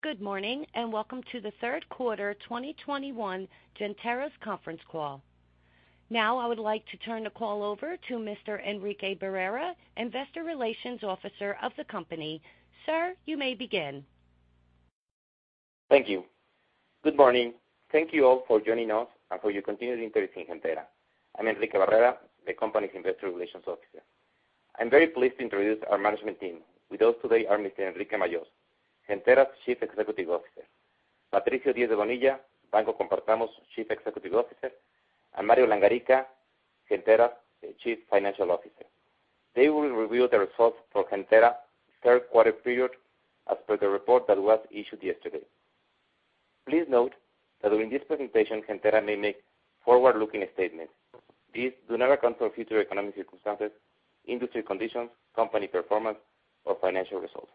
Good morning, and welcome to the Third Quarter 2021 Gentera's conference call. Now, I would like to turn the call over to Mr. Enrique Barrera, Investor Relations Officer of the company. Sir, you may begin. Thank you. Good morning. Thank you all for joining us and for your continued interest in Gentera. I'm Enrique Barrera, the company's Investor Relations Officer. I'm very pleased to introduce our management team. With us today are Mr. Enrique Majós, Gentera's Chief Executive Officer. Patricio Diez de Bonilla, Banco Compartamos Chief Executive Officer, and Mario Langarica, Gentera Chief Financial Officer. They will reveal the results for Gentera third quarter period as per the report that was issued yesterday. Please note that during this presentation, Gentera may make forward-looking statements. These do not account for future economic circumstances, industry conditions, company performance, or financial results.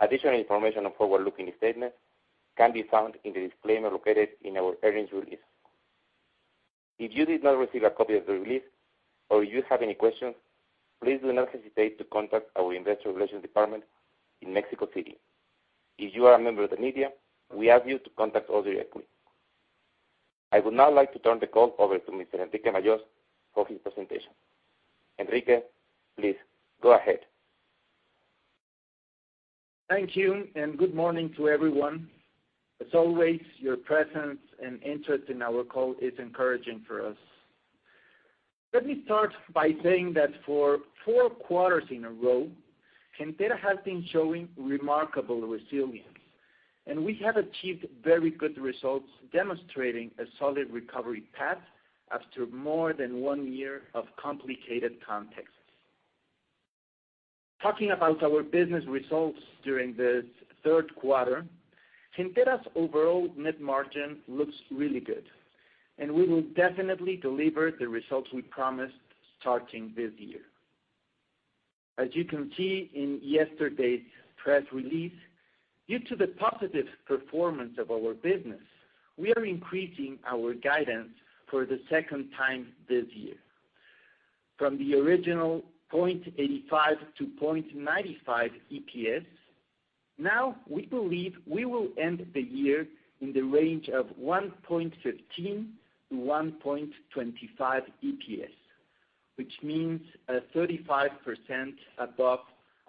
Additional information on forward-looking statements can be found in the disclaimer located in our earnings release. If you did not receive a copy of the release, or you have any questions, please do not hesitate to contact our Investor Relations department in Mexico City. If you are a member of the media, we ask you to contact us directly. I would now like to turn the call over to Mr. Enrique Majós for his presentation. Enrique, please go ahead. Thank you, and good morning to everyone. As always, your presence and interest in our call is encouraging for us. Let me start by saying that for four quarters in a row, Gentera has been showing remarkable resilience, and we have achieved very good results demonstrating a solid recovery path after more than one year of complicated contexts. Talking about our business results during the third quarter, Gentera's overall net margin looks really good. We will definitely deliver the results we promised starting this year. As you can see in yesterday's press release, due to the positive performance of our business, we are increasing our guidance for the second time this year. From the original 0.85-0.95 EPS, now we believe we will end the year in the range of 1.15-1.25 EPS, which means 35% above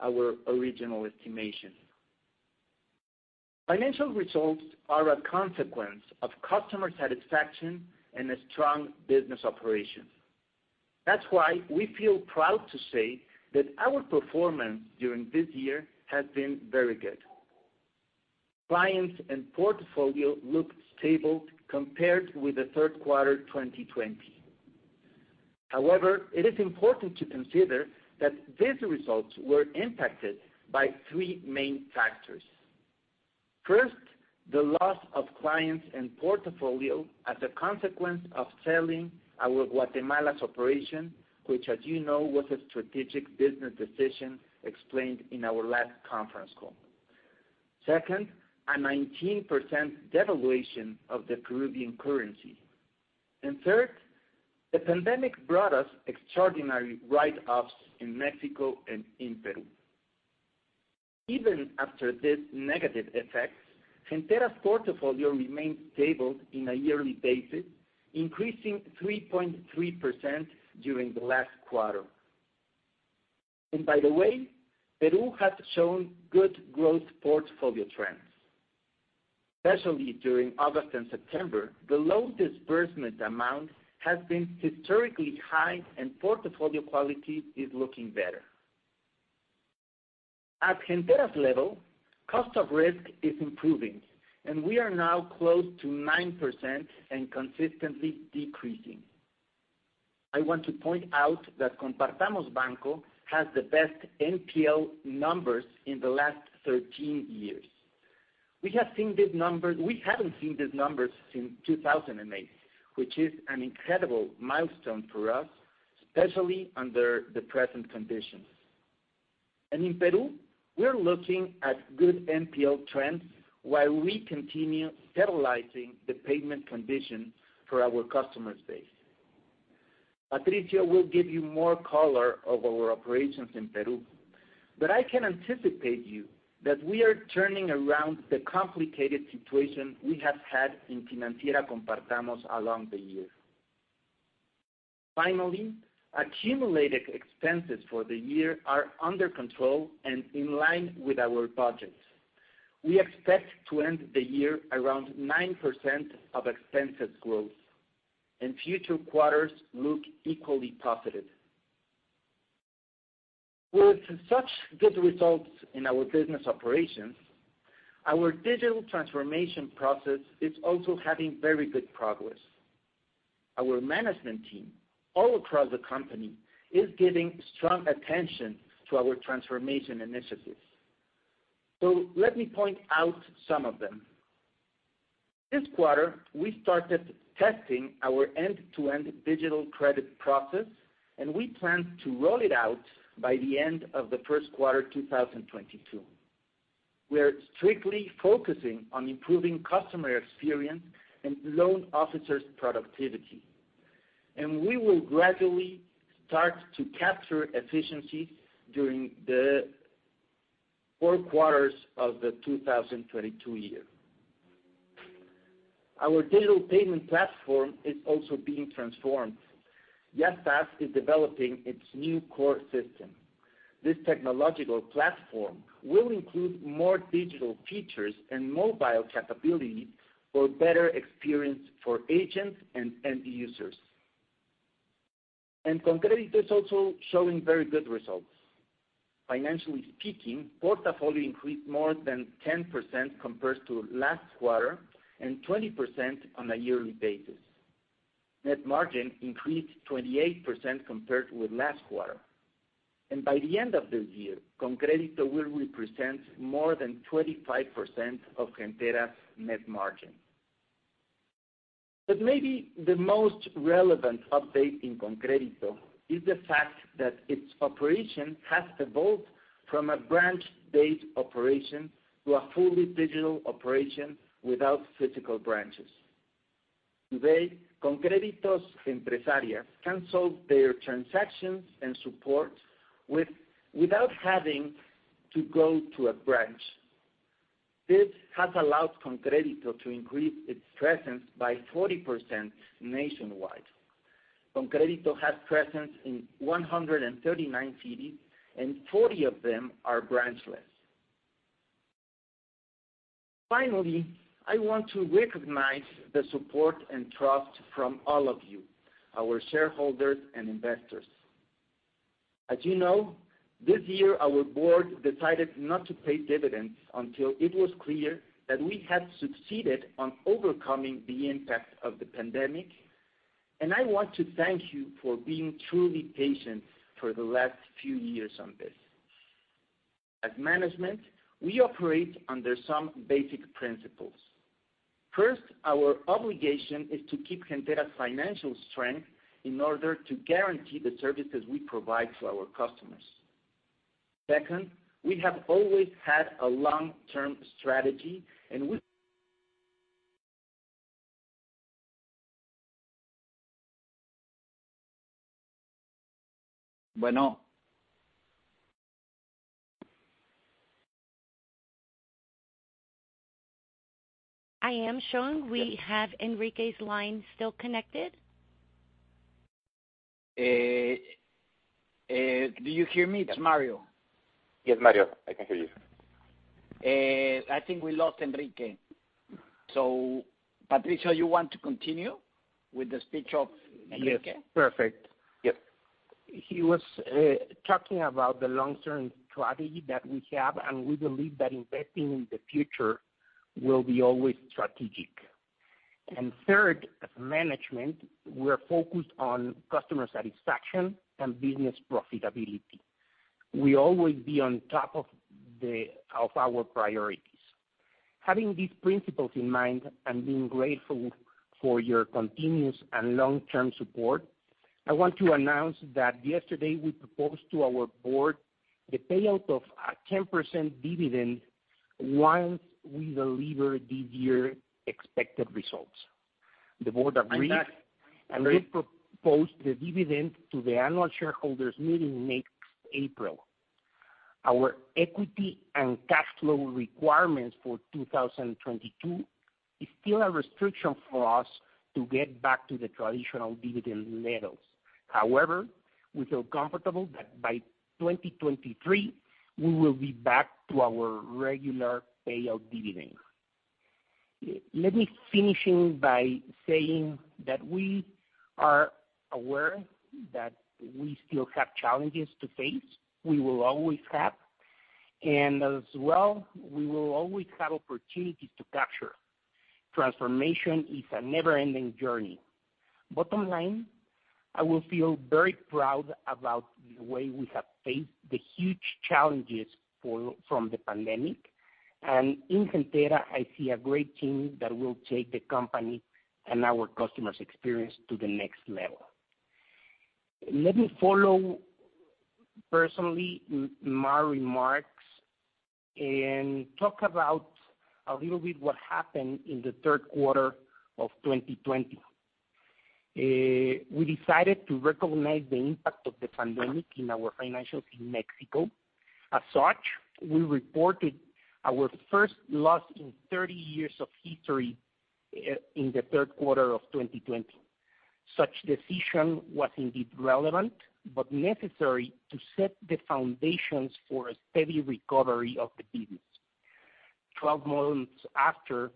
our original estimation. Financial results are a consequence of customer satisfaction and a strong business operation. That's why we feel proud to say that our performance during this year has been very good. Clients and portfolio look stable compared with the third quarter, 2020. However, it is important to consider that these results were impacted by three main factors. First, the loss of clients and portfolio as a consequence of selling our Guatemala's operation, which as you know, was a strategic business decision explained in our last conference call. Second, a 19% devaluation of the Peruvian currency. Third, the pandemic brought us extraordinary write-offs in Mexico and in Peru. Even after these negative effects, Gentera's portfolio remains stable on a yearly basis, increasing 3.3% during the last quarter. By the way, Peru has shown good growth portfolio trends. Especially during August and September, the loan disbursement amount has been historically high and portfolio quality is looking better. At Gentera's level, cost of risk is improving, and we are now close to 9% and consistently decreasing. I want to point out that Banco Compartamos has the best NPL numbers in the last 13 years. We haven't seen these numbers since 2008, which is an incredible milestone for us, especially under the present conditions. In Peru, we're looking at good NPL trends while we continue stabilizing the payment condition for our customer base. Patricio will give you more color of our operations in Peru, but I can tell you that we are turning around the complicated situation we have had in Compartamos Financiera along the year. Finally, accumulated expenses for the year are under control and in line with our budget. We expect to end the year around 9% of expenses growth, and future quarters look equally positive. With such good results in our business operations, our digital transformation process is also having very good progress. Our management team, all across the company, is giving strong attention to our transformation initiatives. Let me point out some of them. This quarter, we started testing our end-to-end digital credit process, and we plan to roll it out by the end of the first quarter 2022. We are strictly focusing on improving customer experience and loan officers' productivity. We will gradually start to capture efficiencies during the four quarters of the 2022 year. Our digital payment platform is also being transformed. Yastás is developing its new core system. This technological platform will include more digital features and mobile capability for better experience for agents and end users. ConCrédito is also showing very good results. Financially speaking, portfolio increased more than 10% compared to last quarter, and 20% on a yearly basis. Net margin increased 28% compared with last quarter. By the end of this year, ConCrédito will represent more than 25% of Gentera's net margin. Maybe the most relevant update in ConCrédito is the fact that its operation has evolved from a branch-based operation to a fully digital operation without physical branches. Today, ConCrédito's empresarias can solve their transactions and support without having to go to a branch. This has allowed ConCrédito to increase its presence by 40% nationwide. ConCrédito has presence in 139 cities, and 40 of them are branchless. Finally, I want to recognize the support and trust from all of you, our shareholders and investors. As you know, this year our board decided not to pay dividends until it was clear that we had succeeded on overcoming the impact of the pandemic, and I want to thank you for being truly patient for the last few years on this. As management, we operate under some basic principles. First, our obligation is to keep Gentera's financial strength in order to guarantee the services we provide to our customers. Second, we have always had a long-term strategy. I am showing we have Enrique's line still connected. Do you hear me? It's Mario. Yes, Mario, I can hear you. I think we lost Enrique. Patricio, you want to continue with the speech of Enrique? Yes. Perfect. Yep. He was talking about the long-term strategy that we have, and we believe that investing in the future will be always strategic. Third, as management, we're focused on customer satisfaction and business profitability. We always be on top of our priorities. Having these principles in mind and being grateful for your continuous and long-term support, I want to announce that yesterday we proposed to our board the payout of a 10% dividend once we deliver this year expected results. The board agreed- I'm back. will propose the dividend to the annual shareholders meeting next April. Our equity and cash flow requirements for 2022 is still a restriction for us to get back to the traditional dividend levels. However, we feel comfortable that by 2023, we will be back to our regular payout dividend. Let me finish by saying that we are aware that we still have challenges to face. We will always have. As well, we will always have opportunities to capture. Transformation is a never-ending journey. Bottom line, I will feel very proud about the way we have faced the huge challenges from the pandemic. In Gentera, I see a great team that will take the company and our customers' experience to the next level. Let me follow up on my remarks and talk a little bit about what happened in the third quarter of 2020. We decided to recognize the impact of the pandemic in our financials in Mexico. As such, we reported our first loss in 30 years of history in the third quarter of 2020. Such decision was indeed relevant but necessary to set the foundations for a steady recovery of the business. 12 months after,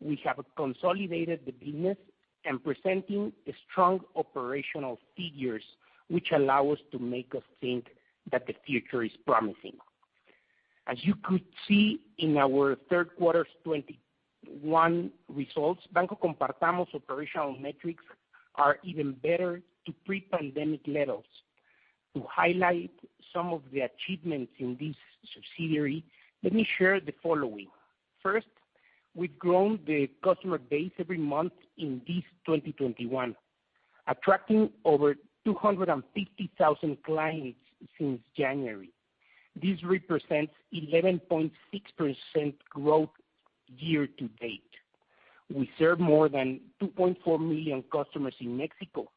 we have consolidated the business and presenting strong operational figures which allow us to think that the future is promising. As you could see in our third quarter's 2021 results, Banco Compartamos operational metrics are even better than pre-pandemic levels. To highlight some of the achievements in this subsidiary, let me share the following. First, we've grown the customer base every month in 2021, attracting over 250,000 clients since January. This represents 11.6% growth year to date. We serve more than 2.4 million customers in Mexico.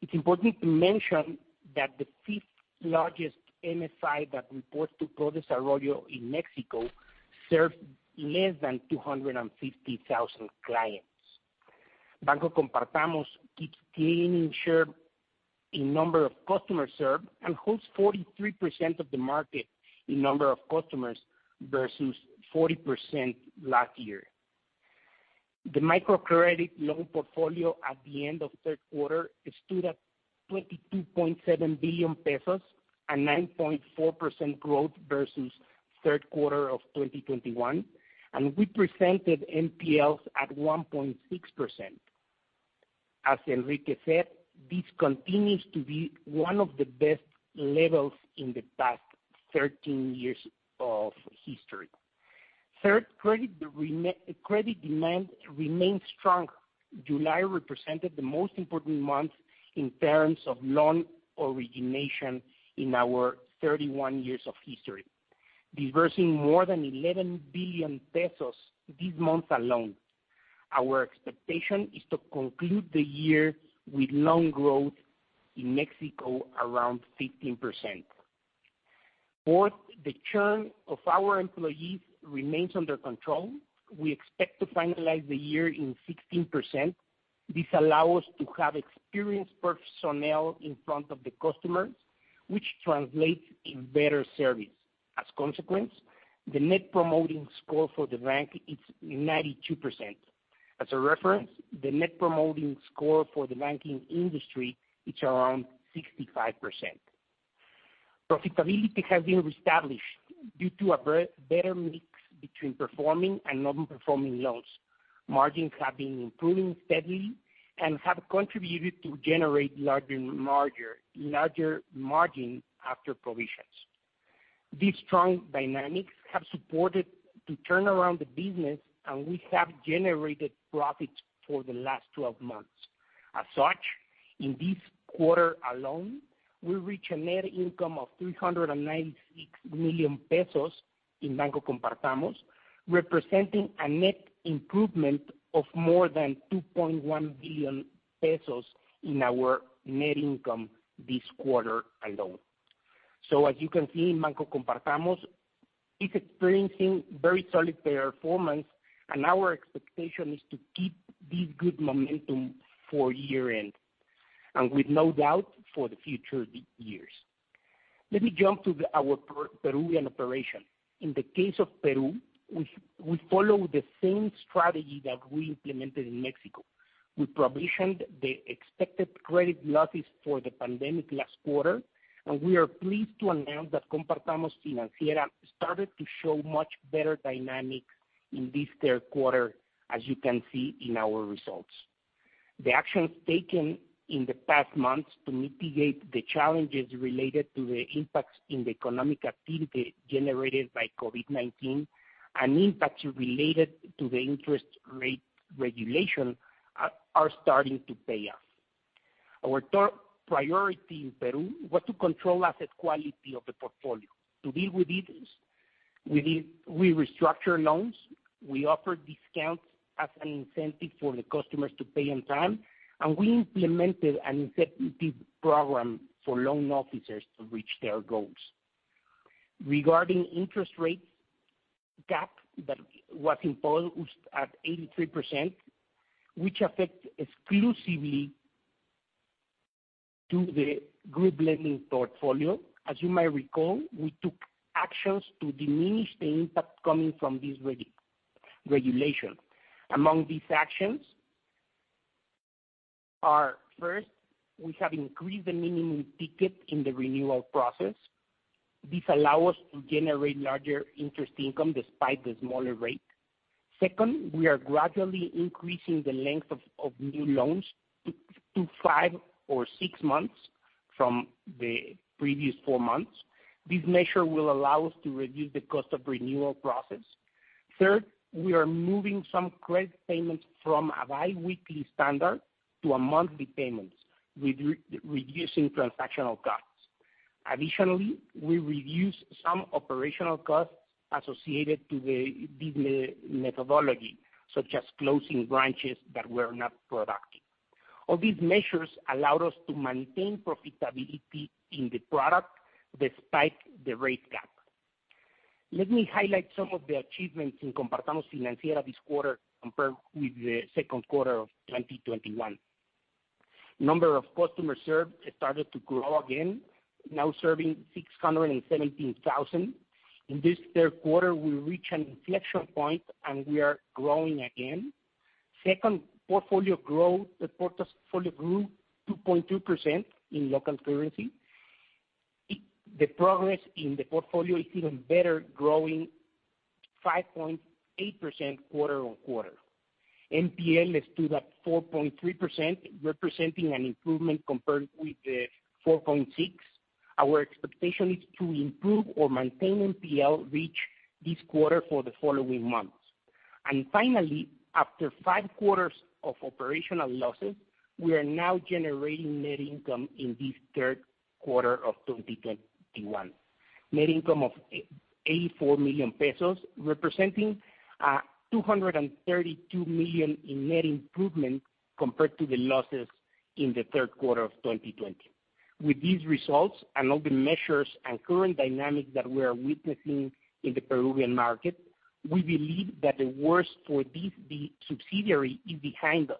It's important to mention that the fifth largest NSI that reports to ProDesarrollo in Mexico serves less than 250,000 clients. Banco Compartamos keeps gaining share in number of customers served and holds 43% of the market in number of customers versus 40% last year. The microcredit loan portfolio at the end of third quarter stood at 22.7 billion pesos, a 9.4% growth versus third quarter of 2021, and we presented NPLs at 1.6%. As Enrique said, this continues to be one of the best levels in the past 13 years of history. Third, credit demand remains strong. July represented the most important month in terms of loan origination in our 31 years of history, disbursing more than 11 billion pesos this month alone. Our expectation is to conclude the year with loan growth in Mexico around 15%. Fourth, the churn of our employees remains under control. We expect to finalize the year in 16%. This allow us to have experienced personnel in front of the customers, which translates in better service. As consequence, the Net Promoter Score for the bank is 92%. As a reference, the Net Promoter Score for the banking industry is around 65%. Profitability has been reestablished due to a better mix between performing and non-performing loans. Margins have been improving steadily and have contributed to generate larger margin after provisions. These strong dynamics have supported to turn around the business, and we have generated profits for the last 12 months. As such, in this quarter alone, we reach a net income of 396 million pesos in Banco Compartamos, representing a net improvement of more than 2.1 billion pesos in our net income this quarter alone. As you can see, Banco Compartamos is experiencing very solid performance, and our expectation is to keep this good momentum for year-end, and with no doubt for the future years. Let me jump to our Peruvian operation. In the case of Peru, we follow the same strategy that we implemented in Mexico. We provisioned the expected credit losses for the pandemic last quarter, and we are pleased to announce that Compartamos Financiera started to show much better dynamics in this third quarter, as you can see in our results. The actions taken in the past months to mitigate the challenges related to the impacts in the economic activity generated by COVID-19 and impacts related to the interest rate regulation are starting to pay off. Our third priority in Peru was to control asset quality of the portfolio. To deal with this, we restructured loans, we offered discounts as an incentive for the customers to pay on time, and we implemented an incentive program for loan officers to reach their goals. Regarding interest rates gap that was imposed at 83%, which affect exclusively to the group lending portfolio, as you may recall, we took actions to diminish the impact coming from this regulation. Among these actions are, first, we have increased the minimum ticket in the renewal process. This allow us to generate larger interest income despite the smaller rate. Second, we are gradually increasing the length of new loans to five or six months from the previous four months. This measure will allow us to reduce the cost of renewal process. Third, we are moving some credit payments from a biweekly standard to monthly payments, reducing transactional costs. Additionally, we reduced some operational costs associated to this methodology, such as closing branches that were not productive. All these measures allowed us to maintain profitability in the product despite the rate gap. Let me highlight some of the achievements in Compartamos Financiera this quarter compared with the second quarter of 2021. Number of customers served started to grow again, now serving 617,000. In this third quarter, we reach an inflection point, and we are growing again. Second, portfolio growth. The portfolio grew 2.2% in local currency. The progress in the portfolio is even better, growing 5.8% quarter-on-quarter. NPL stood at 4.3%, representing an improvement compared with the 4.6%. Our expectation is to improve or maintain NPL reach this quarter for the following months. Finally, after five quarters of operational losses, we are now generating net income in this third quarter of 2021. Net income of 84 million pesos, representing 232 million in net improvement compared to the losses in the third quarter of 2020. With these results and all the measures and current dynamics that we are witnessing in the Peruvian market, we believe that the worst for this, the subsidiary is behind us.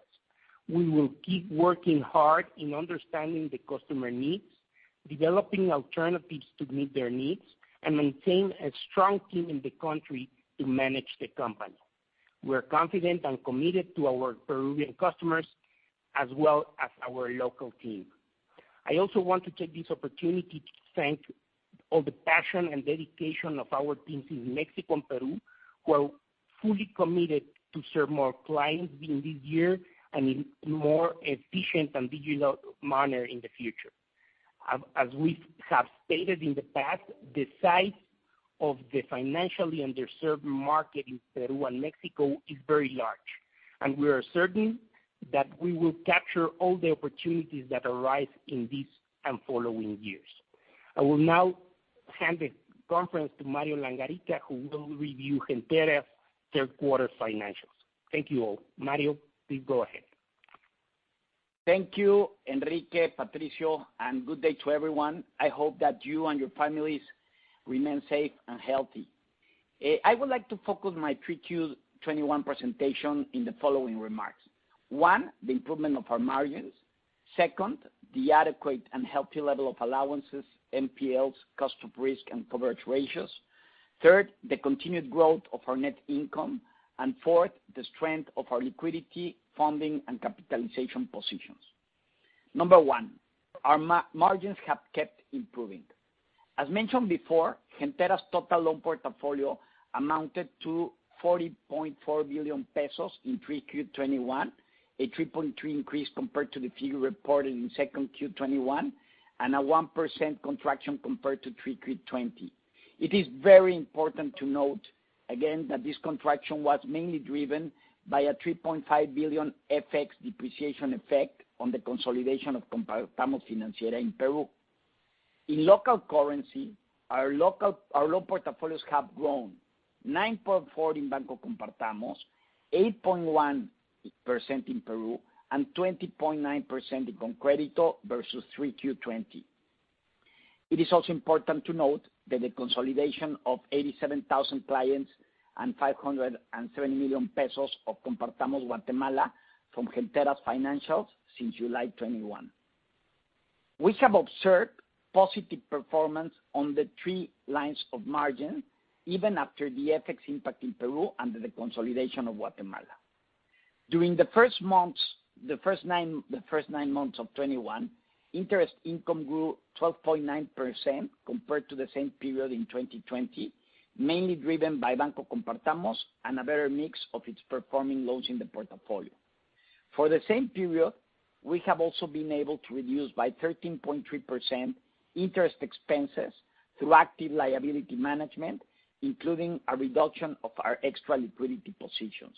We will keep working hard in understanding the customer needs, developing alternatives to meet their needs, and maintain a strong team in the country to manage the company. We're confident and committed to our Peruvian customers as well as our local team. I also want to take this opportunity to thank all the passion and dedication of our teams in Mexico and Peru, who are fully committed to serve more clients during this year and in more efficient and digital manner in the future. As we have stated in the past, the size of the financially underserved market in Peru and Mexico is very large, and we are certain that we will capture all the opportunities that arise in this and following years. I will now hand the conference to Mario Langarica, who will review Gentera's third quarter financials. Thank you all. Mario, please go ahead. Thank you, Enrique, Patricio, and good day to everyone. I hope that you and your families remain safe and healthy. I would like to focus my 3Q 2021 presentation in the following remarks. One, the improvement of our margins. Second, the adequate and healthy level of allowances, NPLs, cost of risk, and coverage ratios. Third, the continued growth of our net income. Fourth, the strength of our liquidity, funding, and capitalization positions. Number one, our margins have kept improving. As mentioned before, Gentera's total loan portfolio amounted to 40.4 billion pesos in 3Q 2021, a 3.3% increase compared to the figure reported in 2Q 2021, and a 1% contraction compared to 3Q 2020. It is very important to note again that this contraction was mainly driven by a 3.5 billion FX depreciation effect on the consolidation of Compartamos Financiera in Peru. In local currency, our loan portfolios have grown 9.4% in Banco Compartamos, 8.1% in Peru, and 20.9% in ConCrédito versus 3Q 2020. It is also important to note that the consolidation of 87,000 clients and 530 million pesos of Compartamos Guatemala into Gentera's financials since July 2021. We have observed positive performance on the three lines of margin, even after the FX impact in Peru and the consolidation of Guatemala. During the first nine months of 2021, interest income grew 12.9% compared to the same period in 2020, mainly driven by Banco Compartamos and a better mix of its performing loans in the portfolio. For the same period, we have also been able to reduce by 13.3% interest expenses through active liability management, including a reduction of our extra liquidity positions.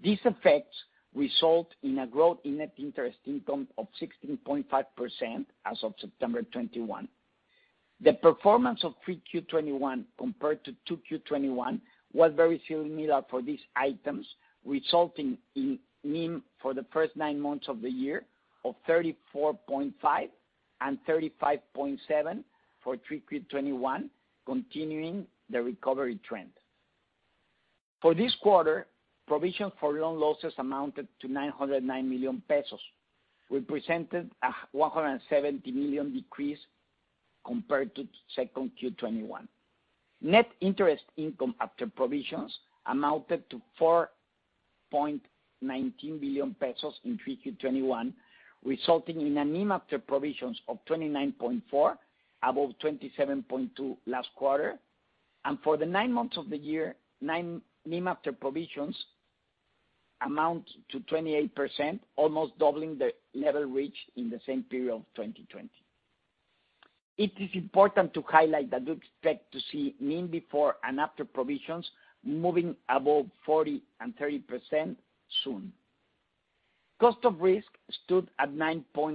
These effects result in a growth in net interest income of 16.5% as of September 2021. The performance of 3Q 2021 compared to 2Q 2021 was very similar for these items, resulting in NIM for the first nine months of the year of 34.5% and 35.7% for 3Q 2021, continuing the recovery trend. For this quarter, provision for loan losses amounted to 909 million pesos, represented a one hundred and seventy million decrease compared to 2Q 2021. Net interest income after provisions amounted to 4.19 billion pesos in 3Q 2021, resulting in a NIM after provisions of 29.4%, above 27.2% last quarter. For the nine months of the year, NIM after provisions amount to 28%, almost doubling the level reached in the same period of 2020. It is important to highlight that we expect to see NIM before and after provisions moving above 40% and 30% soon. Cost of risk stood at 9.1%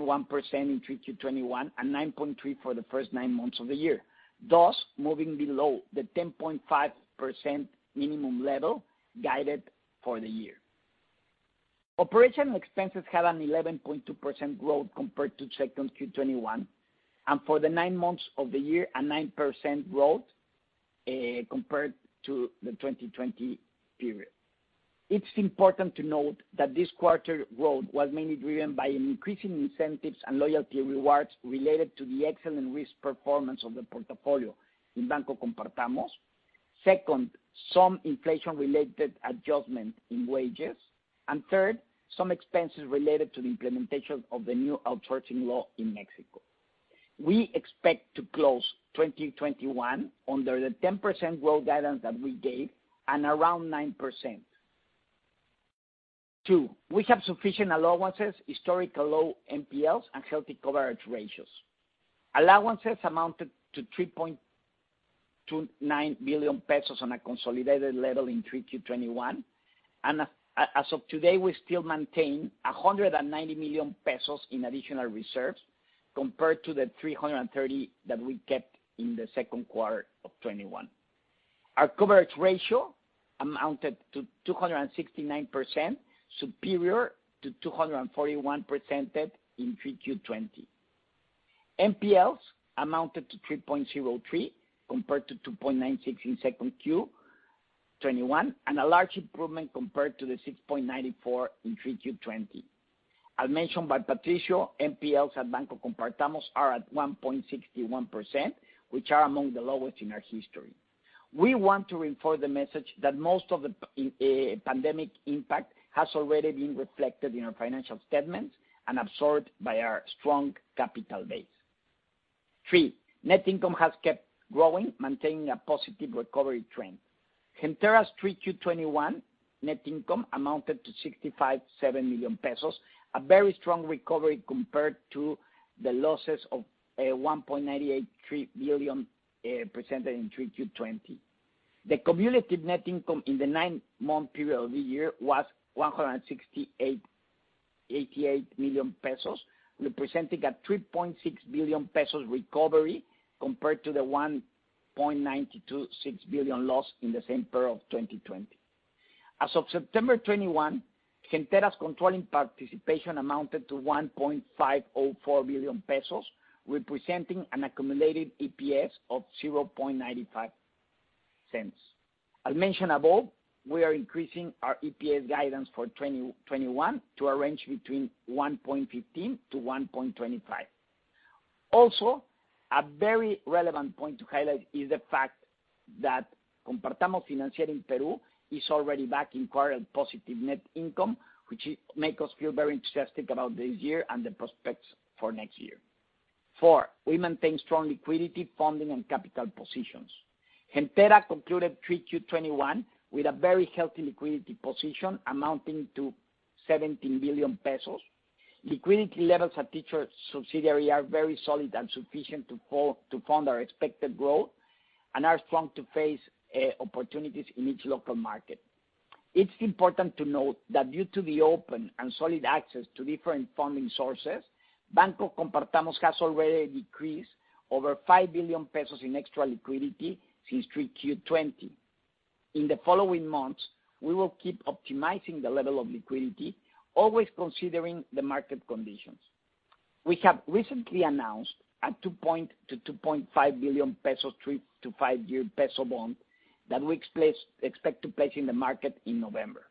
in 3Q 2021 and 9.3% for the first nine months of the year, thus moving below the 10.5% minimum level guided for the year. Operational expenses had an 11.2% growth compared to 2Q 2021, and for the nine months of the year, a 9% growth, compared to the 2020 period. It's important to note that this quarter growth was mainly driven by an increase in incentives and loyalty rewards related to the excellent risk performance of the portfolio in Banco Compartamos. Second, some inflation-related adjustment in wages. Third, some expenses related to the implementation of the new outsourcing law in Mexico. We expect to close 2021 under the 10% growth guidance that we gave and around 9%. Two, we have sufficient allowances, historical low NPLs, and healthy coverage ratios. Allowances amounted to 3.29 billion pesos on a consolidated level in 3Q 2021. As of today, we still maintain 190 million pesos in additional reserves compared to the 330 that we kept in the second quarter of 2021. Our coverage ratio amounted to 269%, superior to 241% in 3Q 2020. NPLs amounted to 3.03% compared to 2.96% in 2Q 2021, and a large improvement compared to the 6.94% in 3Q 2020. As mentioned by Patricio, NPLs at Banco Compartamos are at 1.61%, which are among the lowest in our history. We want to reinforce the message that most of the pandemic impact has already been reflected in our financial statements and absorbed by our strong capital base. Three, net income has kept growing, maintaining a positive recovery trend. Gentera's 3Q 2021 net income amounted to 657 million pesos, a very strong recovery compared to the losses of 1.983 billion presented in 3Q 2020. The cumulative net income in the nine-month period of the year was 168.88 million pesos, representing a 3.6 billion pesos recovery compared to the 1.926 billion loss in the same period of 2020. As of September 2021, Gentera's controlling participation amounted to 1.504 billion pesos, representing an accumulated EPS of 0.95. As mentioned above, we are increasing our EPS guidance for 2021 to a range between 1.15-1.25. Also, a very relevant point to highlight is the fact that Compartamos Financiera in Peru is already back in quarter of positive net income, which make us feel very enthusiastic about this year and the prospects for next year. Four, we maintain strong liquidity funding and capital positions. Gentera concluded 3Q 2021 with a very healthy liquidity position amounting to 17 billion pesos. Liquidity levels at each subsidiary are very solid and sufficient to fund our expected growth and are strong to face opportunities in each local market. It's important to note that due to the open and solid access to different funding sources, Banco Compartamos has already decreased over 5 billion pesos in extra liquidity since 3Q 2020. In the following months, we will keep optimizing the level of liquidity, always considering the market conditions. We have recently announced a 2 billion-2.5 billion peso three- to five-year peso bond that we expect to place in the market in November.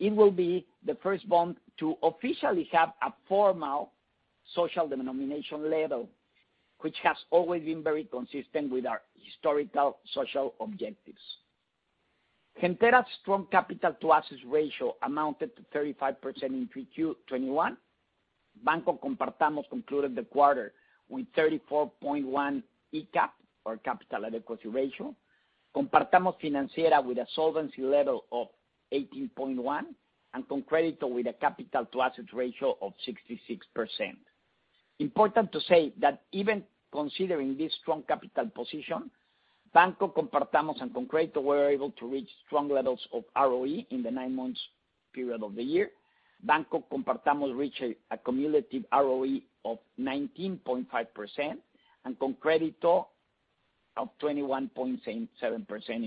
It will be the first bond to officially have a formal social denomination level, which has always been very consistent with our historical social objectives. Gentera's strong capital-to-assets ratio amounted to 35% in 3Q 2021. Banco Compartamos concluded the quarter with 34.1 [CAR], or Capital Adequacy ratio. Compartamos Financiera with a solvency level of 18.1, and ConCrédito with a capital-to-assets ratio of 66%. Important to say that even considering this strong capital position, Banco Compartamos and ConCrédito were able to reach strong levels of ROE in the nine months period of the year. Banco Compartamos reached a cumulative ROE of 19.5%, and ConCrédito of 21.7% in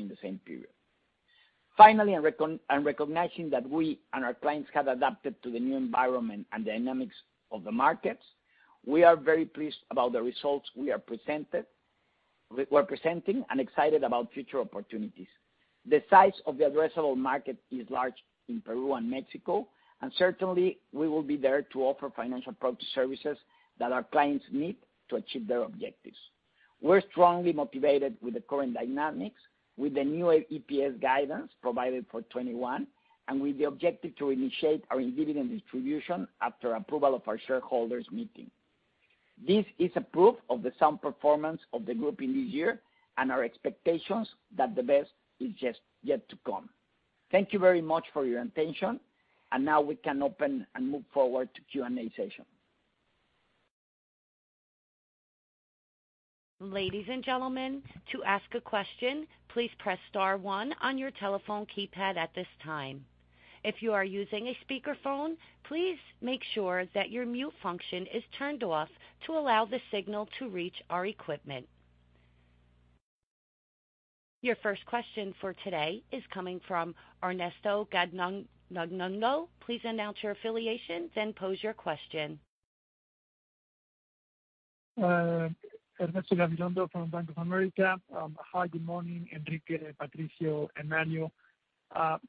the same period. Recognizing that we and our clients have adapted to the new environment and dynamics of the markets, we are very pleased about the results we're presenting and excited about future opportunities. The size of the addressable market is large in Peru and Mexico, and certainly we will be there to offer financial product services that our clients need to achieve their objectives. We're strongly motivated with the current dynamics, with the new EPS guidance provided for 2021, and with the objective to initiate our dividend distribution after approval of our shareholders meeting. This is a proof of the sound performance of the group in this year and our expectations that the best is just yet to come. Thank you very much for your attention, and now we can open and move forward to Q&A session. Ladies and gentlemen, to ask a question, please press star one on your telephone keypad at this time. If you are using a speakerphone, please make sure that your mute function is turned off to allow the signal to reach our equipment. Your first question for today is coming from Ernesto Gabilondo. Please announce your affiliations, and pose your question. Ernesto Gabilondo from Bank of America. Hi, good morning, Enrique, Patricio, and Mario.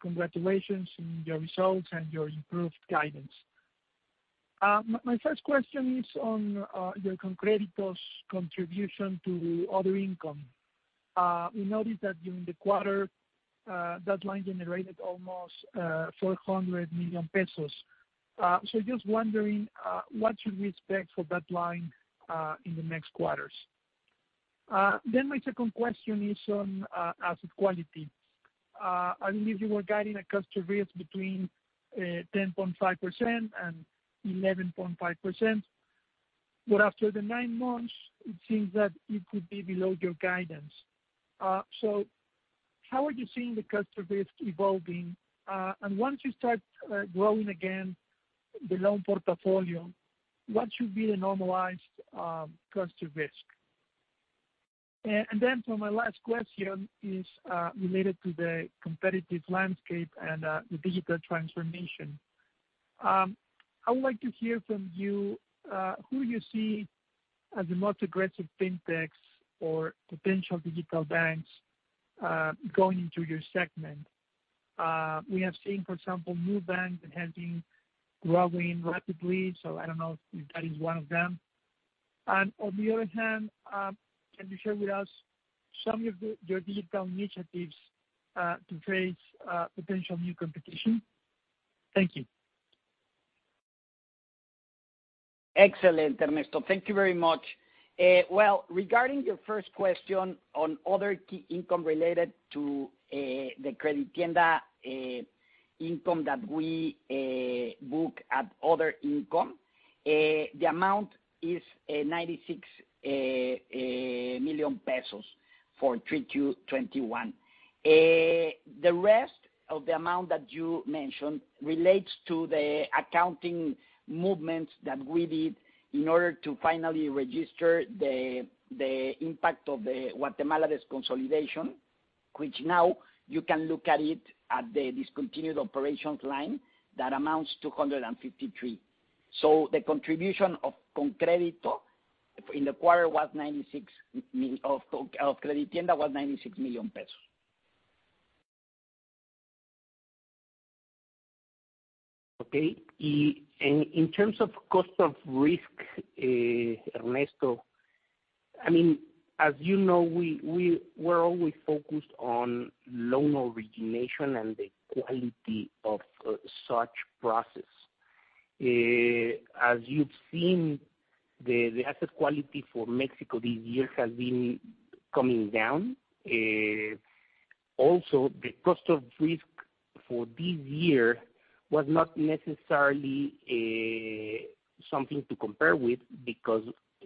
Congratulations on your results and your improved guidance. My first question is on your ConCrédito's contribution to other income. We noticed that during the quarter, that line generated almost 400 million pesos. Just wondering, what should we expect for that line in the next quarters? My second question is on asset quality. I believe you were guiding a cost of risk between 10.5% and 11.5%. After the nine months, it seems that it could be below your guidance. How are you seeing the cost of risk evolving? Once you start growing again the loan portfolio, what should be the normalized cost of risk? For my last question is related to the competitive landscape and the digital transformation. I would like to hear from you who you see as the most aggressive fintechs or potential digital banks going into your segment. We have seen, for example, Nubank that has been growing rapidly, so I don't know if that is one of them. On the other hand, can you share with us some of your digital initiatives to track potential new competition? Thank you. Excellent, Ernesto. Thank you very much. Well, regarding your first question on other key income related to the CrediTienda income that we book at other income, the amount is 96 million pesos for 3Q 2021. The rest of the amount that you mentioned relates to the accounting movements that we did in order to finally register the impact of the Guatemala's consolidation, which now you can look at it at the discontinued operations line that amounts to 153 million. The contribution of ConCrédito in the quarter was 96 million pesos of CrediTienda. Okay. In terms of cost of risk, Ernesto, I mean, as you know, we're always focused on loan origination and the quality of such process. As you've seen, the asset quality for Mexico this year has been coming down. Also, the cost of risk for this year was not necessarily something to compare with because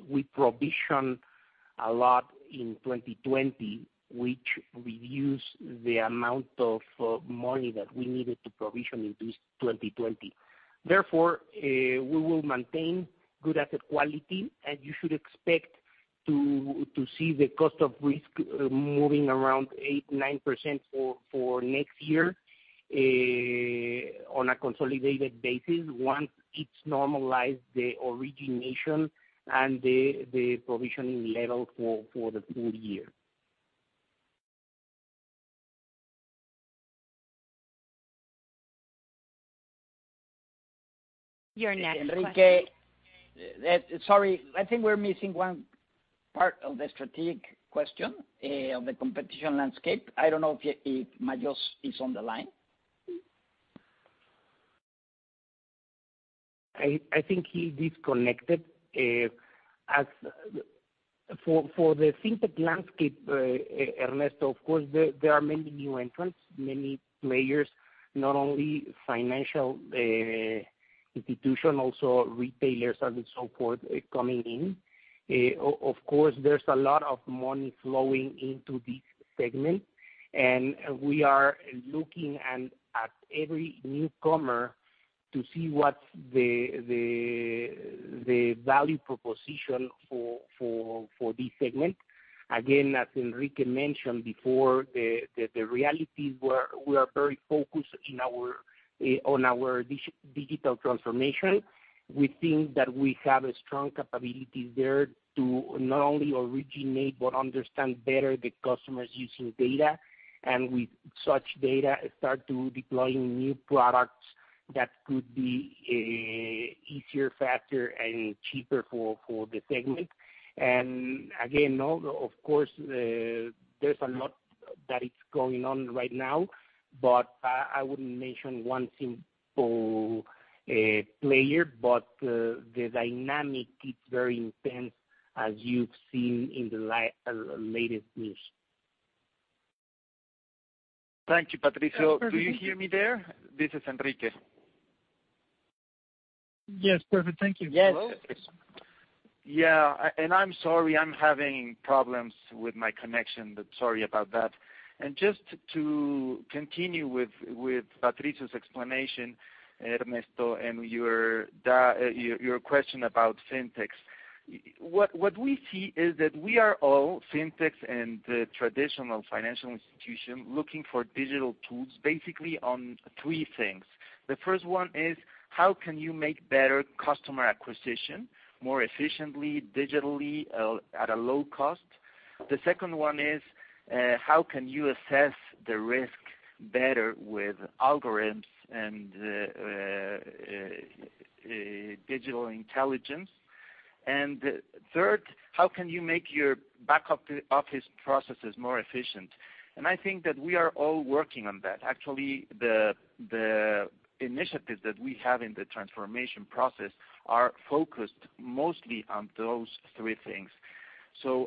we provisioned a lot in 2020, which reduced the amount of money that we needed to provision in this 2020. Therefore, we will maintain good asset quality, and you should expect to see the cost of risk moving around 8%-9% for next year, on a consolidated basis once it's normalized the origination and the provisioning level for the full year. Your next question. Enrique. Sorry, I think we're missing one part of the strategic question of the competition landscape. I don't know if Majós is on the line. I think he disconnected. For the FinTech landscape, Ernesto, of course, there are many new entrants, many players, not only financial institution, also retailers and so forth coming in. Of course, there's a lot of money flowing into this segment, and we are looking at every newcomer to see what's the value proposition for this segment. Again, as Enrique mentioned before, the reality is we are very focused on our digital transformation. We think that we have a strong capabilities there to not only originate, but understand better the customers using data. With such data, start to deploying new products that could be easier, faster, and cheaper for the segment. Again, no, of course, there's a lot that is going on right now, but I wouldn't mention one simple player. The dynamic is very intense as you've seen in the latest news. Thank you, Patricio. Do you hear me there? This is Enrique. Yes. Perfect. Thank you. Hello? Yeah. I'm sorry, I'm having problems with my connection. Sorry about that. Just to continue with Patricio's explanation, Ernesto, and your question about fintechs. What we see is that we are all, fintechs and the traditional financial institution, looking for digital tools basically on three things. The first one is, how can you make better customer acquisition more efficiently, digitally, at a low cost? The second one is, how can you assess the risk better with algorithms and digital intelligence? Third, how can you make your back-office processes more efficient? I think that we are all working on that. Actually, the initiatives that we have in the transformation process are focused mostly on those three things.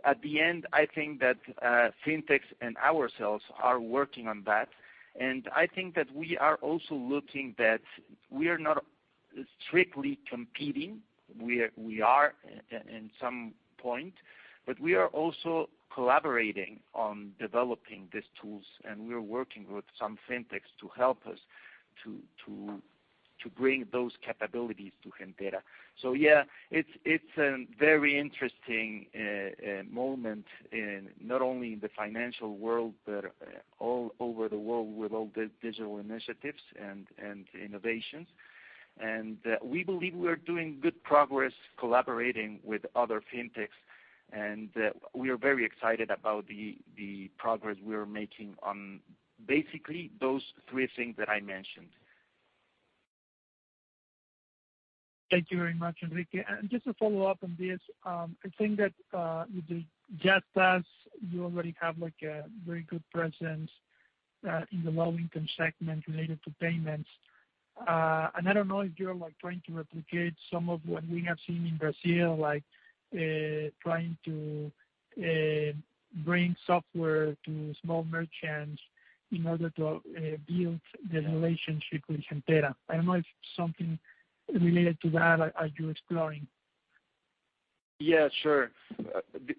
At the end, I think that, fintechs and ourselves are working on that. I think that we are also looking that we are not strictly competing. We are in some point, but we are also collaborating on developing these tools, and we are working with some fintechs to help us to bring those capabilities to Gentera. Yeah, it's a very interesting moment in not only the financial world, but all over the world with all the digital initiatives and innovations. We believe we are doing good progress collaborating with other fintechs, and we are very excited about the progress we are making on basically those three things that I mentioned. Thank you very much, Enrique. Just to follow up on this, I think that with the Yastás, you already have like a very good presence in the low-income segment related to payments. I don't know if you're like trying to replicate some of what we have seen in Brazil, like trying to bring software to small merchants in order to build the relationship with Gentera. I don't know if something related to that are you exploring. Yeah, sure.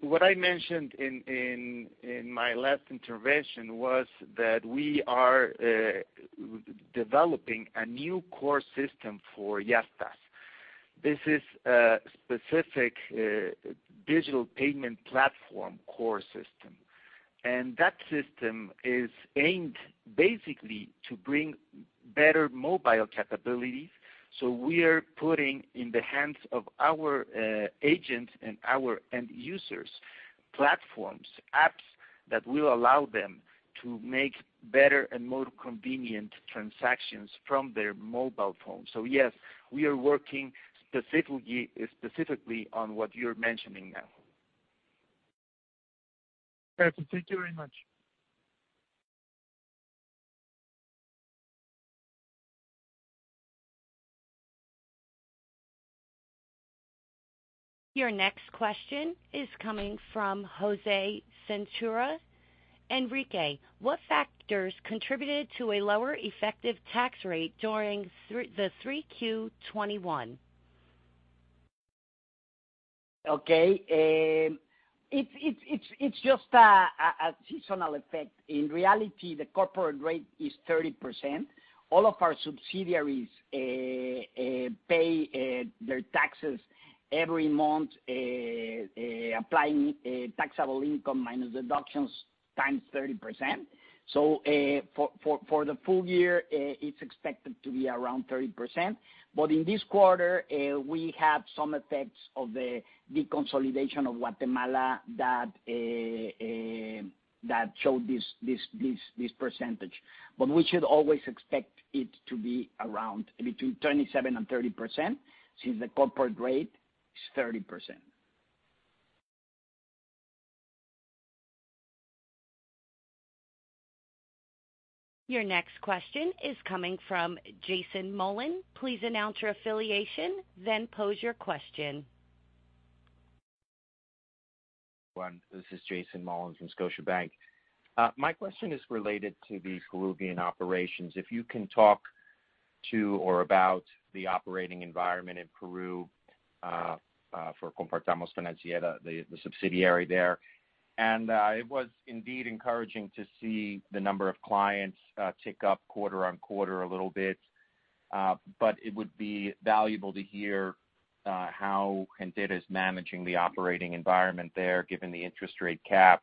What I mentioned in my last intervention was that we are developing a new core system for Yastás. This is a specific digital payment platform core system. That system is aimed basically to bring better mobile capabilities. We are putting in the hands of our agents and our end users platforms, apps that will allow them to make better and more convenient transactions from their mobile phone. Yes, we are working specifically on what you're mentioning now. Perfect. Thank you very much. Your next question is coming from José [Sentura]. Enrique, what factors contributed to a lower effective tax rate during the 3Q 2021? Okay. It's just a seasonal effect. In reality, the corporate rate is 30%. All of our subsidiaries pay their taxes every month applying taxable income minus deductions times 30%. For the full year, it's expected to be around 30%. In this quarter, we have some effects of the deconsolidation of Guatemala that showed this percentage. We should always expect it to be around between 27% and 30% since the corporate rate is 30%. Your next question is coming from Jason Mollin. Please announce your affiliation, then pose your question. This is Jason Mollin from Scotiabank. My question is related to the Peruvian operations. If you can talk to or about the operating environment in Peru for Compartamos Financiera, the subsidiary there. It was indeed encouraging to see the number of clients tick up quarter-over-quarter a little bit. It would be valuable to hear how Gentera is managing the operating environment there, given the interest rate cap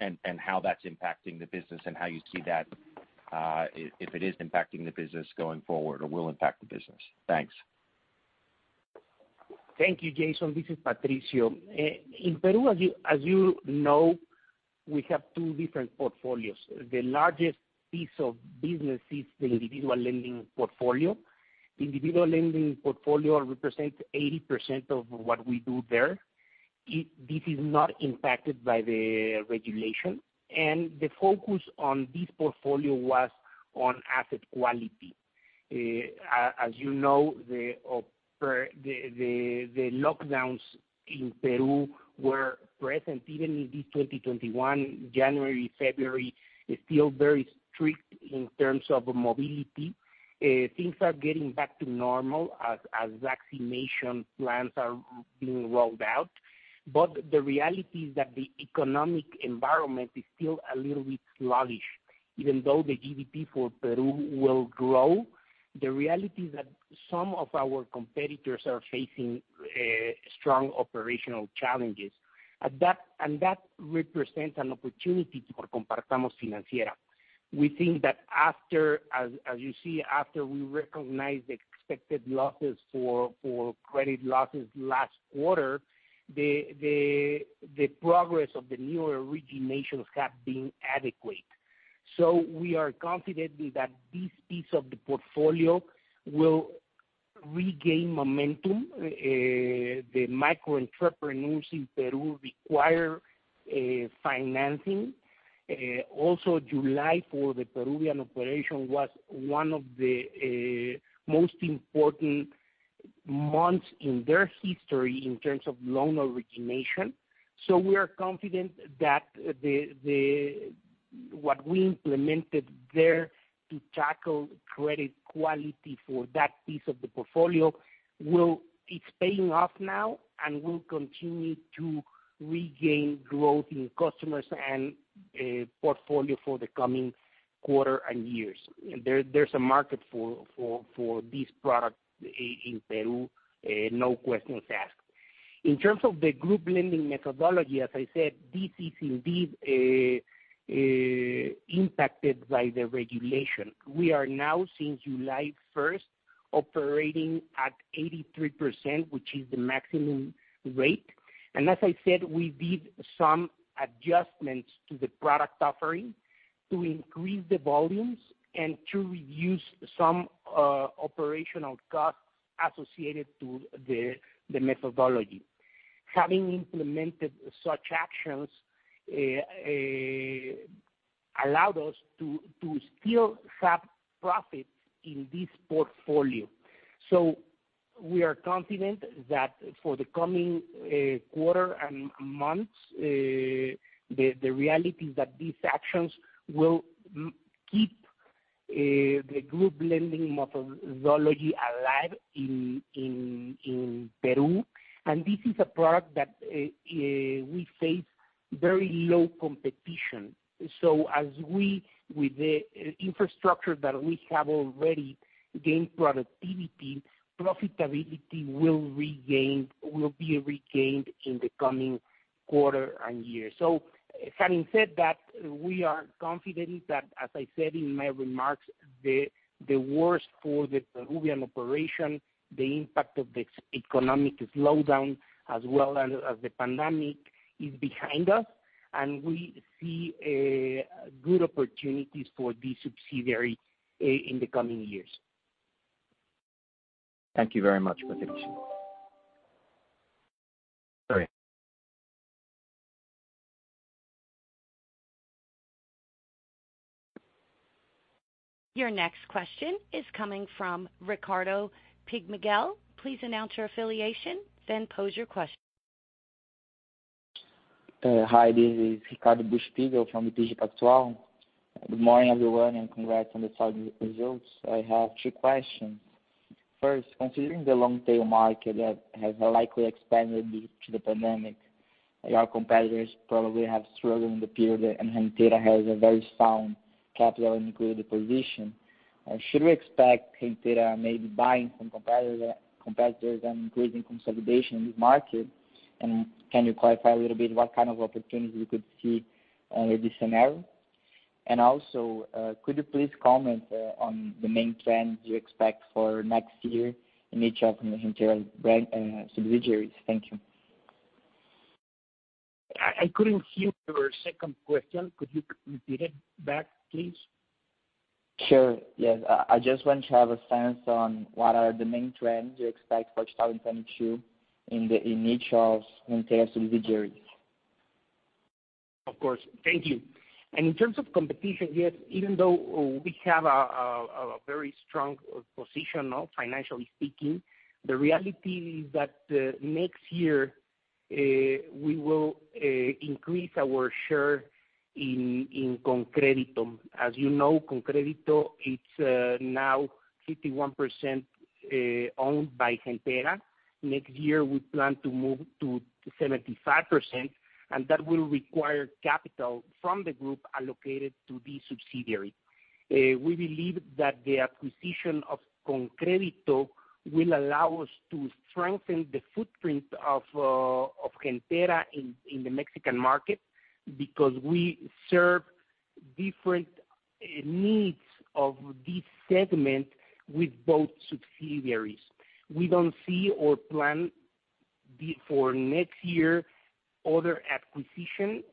and how that's impacting the business and how you see that if it is impacting the business going forward or will impact the business. Thanks. Thank you, Jason. This is Patricio. In Peru, as you know, we have two different portfolios. The largest piece of business is the individual lending portfolio. Individual lending portfolio represents 80% of what we do there. This is not impacted by the regulation, and the focus on this portfolio was on asset quality. As you know, the lockdowns in Peru were present even in this 2021, January, February, still very strict in terms of mobility. Things are getting back to normal as vaccination plans are being rolled out. The reality is that the economic environment is still a little bit sluggish. Even though the GDP for Peru will grow, the reality is that some of our competitors are facing strong operational challenges. That represents an opportunity for Compartamos Financiera. We think that after we recognize the expected losses for credit losses last quarter, the progress of the newer originations have been adequate. We are confident that this piece of the portfolio will regain momentum. The micro entrepreneurs in Peru require financing. Also, July for the Peruvian operation was one of the most important months in their history in terms of loan origination. We are confident that what we implemented there to tackle credit quality for that piece of the portfolio is paying off now and will continue to regain growth in customers and portfolio for the coming quarter and years. There's a market for this product in Peru, no questions asked. In terms of the group lending methodology, as I said, this is indeed impacted by the regulation. We are now, since July 1st, operating at 83%, which is the maximum rate. As I said, we did some adjustments to the product offering to increase the volumes and to reduce some operational costs associated to the methodology. Having implemented such actions allowed us to still have profits in this portfolio. We are confident that for the coming quarter and months, the reality is that these actions will keep the group lending methodology alive in Peru. This is a product that we face very low competition. As we with the infrastructure that we have already gained productivity, profitability will be regained in the coming quarter and year. Having said that, we are confident that, as I said in my remarks, the worst for the Peruvian operation, the impact of this economic slowdown as well as the pandemic is behind us, and we see good opportunities for this subsidiary in the coming years. Thank you very much, Patricio. Sorry. Your next question is coming from Ricardo Buchpiguel. Please announce your affiliation, then pose your question. Hi, this is Ricardo Buchpiguel from BTG Pactual. Good morning, everyone, and congrats on the solid results. I have two questions. First, considering the long-tail market that has likely expanded due to the pandemic, your competitors probably have struggled in the period, and Gentera has a very sound capital and liquidity position. Should we expect Gentera maybe buying some competitors and increasing consolidation in this market? And can you clarify a little bit what kind of opportunities you could see with this scenario? And also, could you please comment on the main trends you expect for next year in each of Gentera's brand subsidiaries? Thank you. I couldn't hear your second question. Could you repeat it back, please? Sure, yes. I just want to have a sense on what are the main trends you expect for 2022 in each of Gentera's subsidiaries. Of course. Thank you. In terms of competition, yes, even though we have a very strong position, no, financially speaking, the reality is that next year we will increase our share in ConCrédito. As you know, ConCrédito it's now 51% owned by Gentera. Next year, we plan to move to 75%, and that will require capital from the group allocated to this subsidiary. We believe that the acquisition of ConCrédito will allow us to strengthen the footprint of Gentera in the Mexican market because we serve different needs of this segment with both subsidiaries. We don't see or plan for next year other acquisition.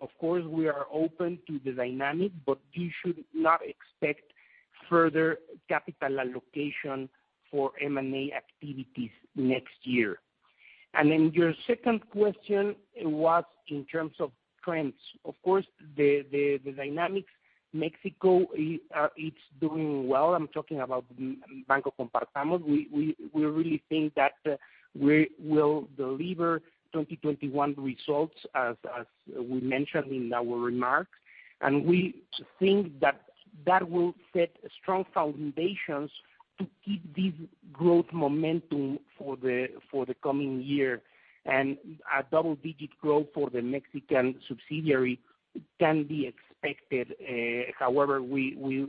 Of course, we are open to the dynamic, but you should not expect further capital allocation for M&A activities next year. Then your second question was in terms of trends. Of course, the dynamics, Mexico it's doing well. I'm talking about Banco Compartamos. We really think that we will deliver 2021 results as we mentioned in our remarks. We think that that will set strong foundations to keep this growth momentum for the coming year. A double-digit growth for the Mexican subsidiary can be expected. However, we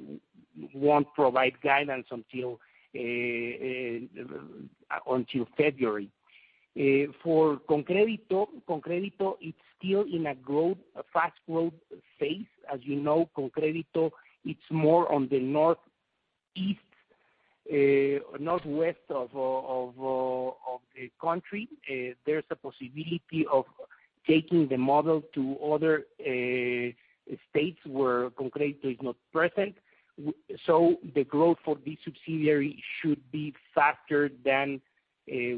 won't provide guidance until February. For ConCrédito, it's still in a fast growth phase. As you know, ConCrédito, it's more on the northeast, northwest of the country. There's a possibility of taking the model to other states where ConCrédito is not present. The growth for this subsidiary should be faster than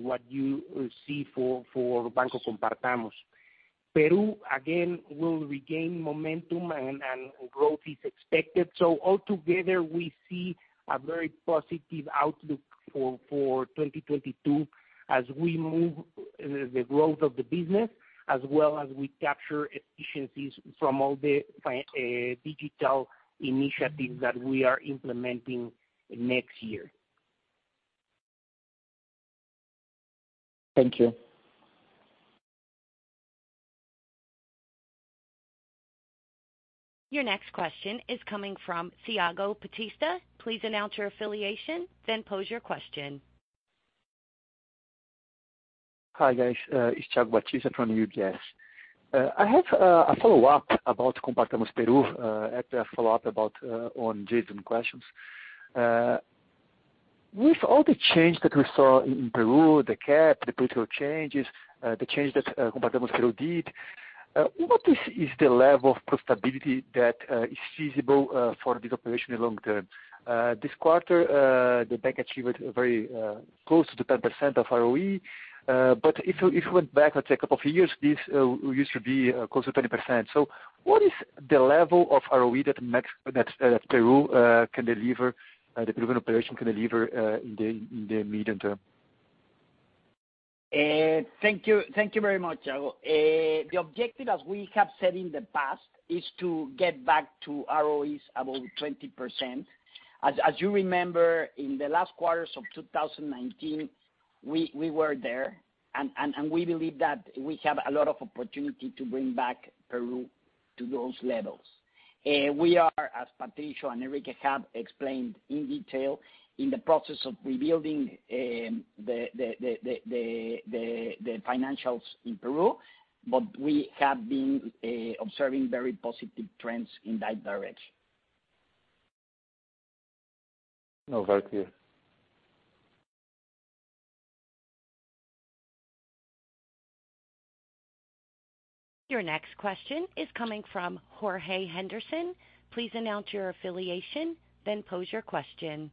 what you see for Banco Compartamos. Peru, again, will regain momentum and growth is expected. Altogether, we see a very positive outlook for 2022 as we move the growth of the business as well as we capture efficiencies from all the digital initiatives that we are implementing next year. Thank you. Your next question is coming from Thiago Batista. Please announce your affiliation, then pose your question. Hi, guys. It's Thiago Batista from UBS. I have a follow-up about Compartamos Peru and a follow-up on Jason's questions. With all the change that we saw in Peru, the cap, the political changes, the change that Compartamos Peru did, what is the level of profitability that is feasible for this operation in long term? This quarter, the bank achieved a very close to 10% of ROE. But if we went back, let's say a couple of years, this used to be close to 20%. What is the level of ROE that the Peruvian operation can deliver in the medium term? Thank you. Thank you very much, Thiago. The objective, as we have said in the past, is to get back to ROEs above 20%. As you remember, in the last quarters of 2019, we were there, and we believe that we have a lot of opportunity to bring back Peru to those levels. We are, as Patricio and Enrique have explained in detail, in the process of rebuilding the financials in Peru, but we have been observing very positive trends in that direction. No, thank you. Your next question is coming from Jorge Henderson. Please announce your affiliation, then pose your question.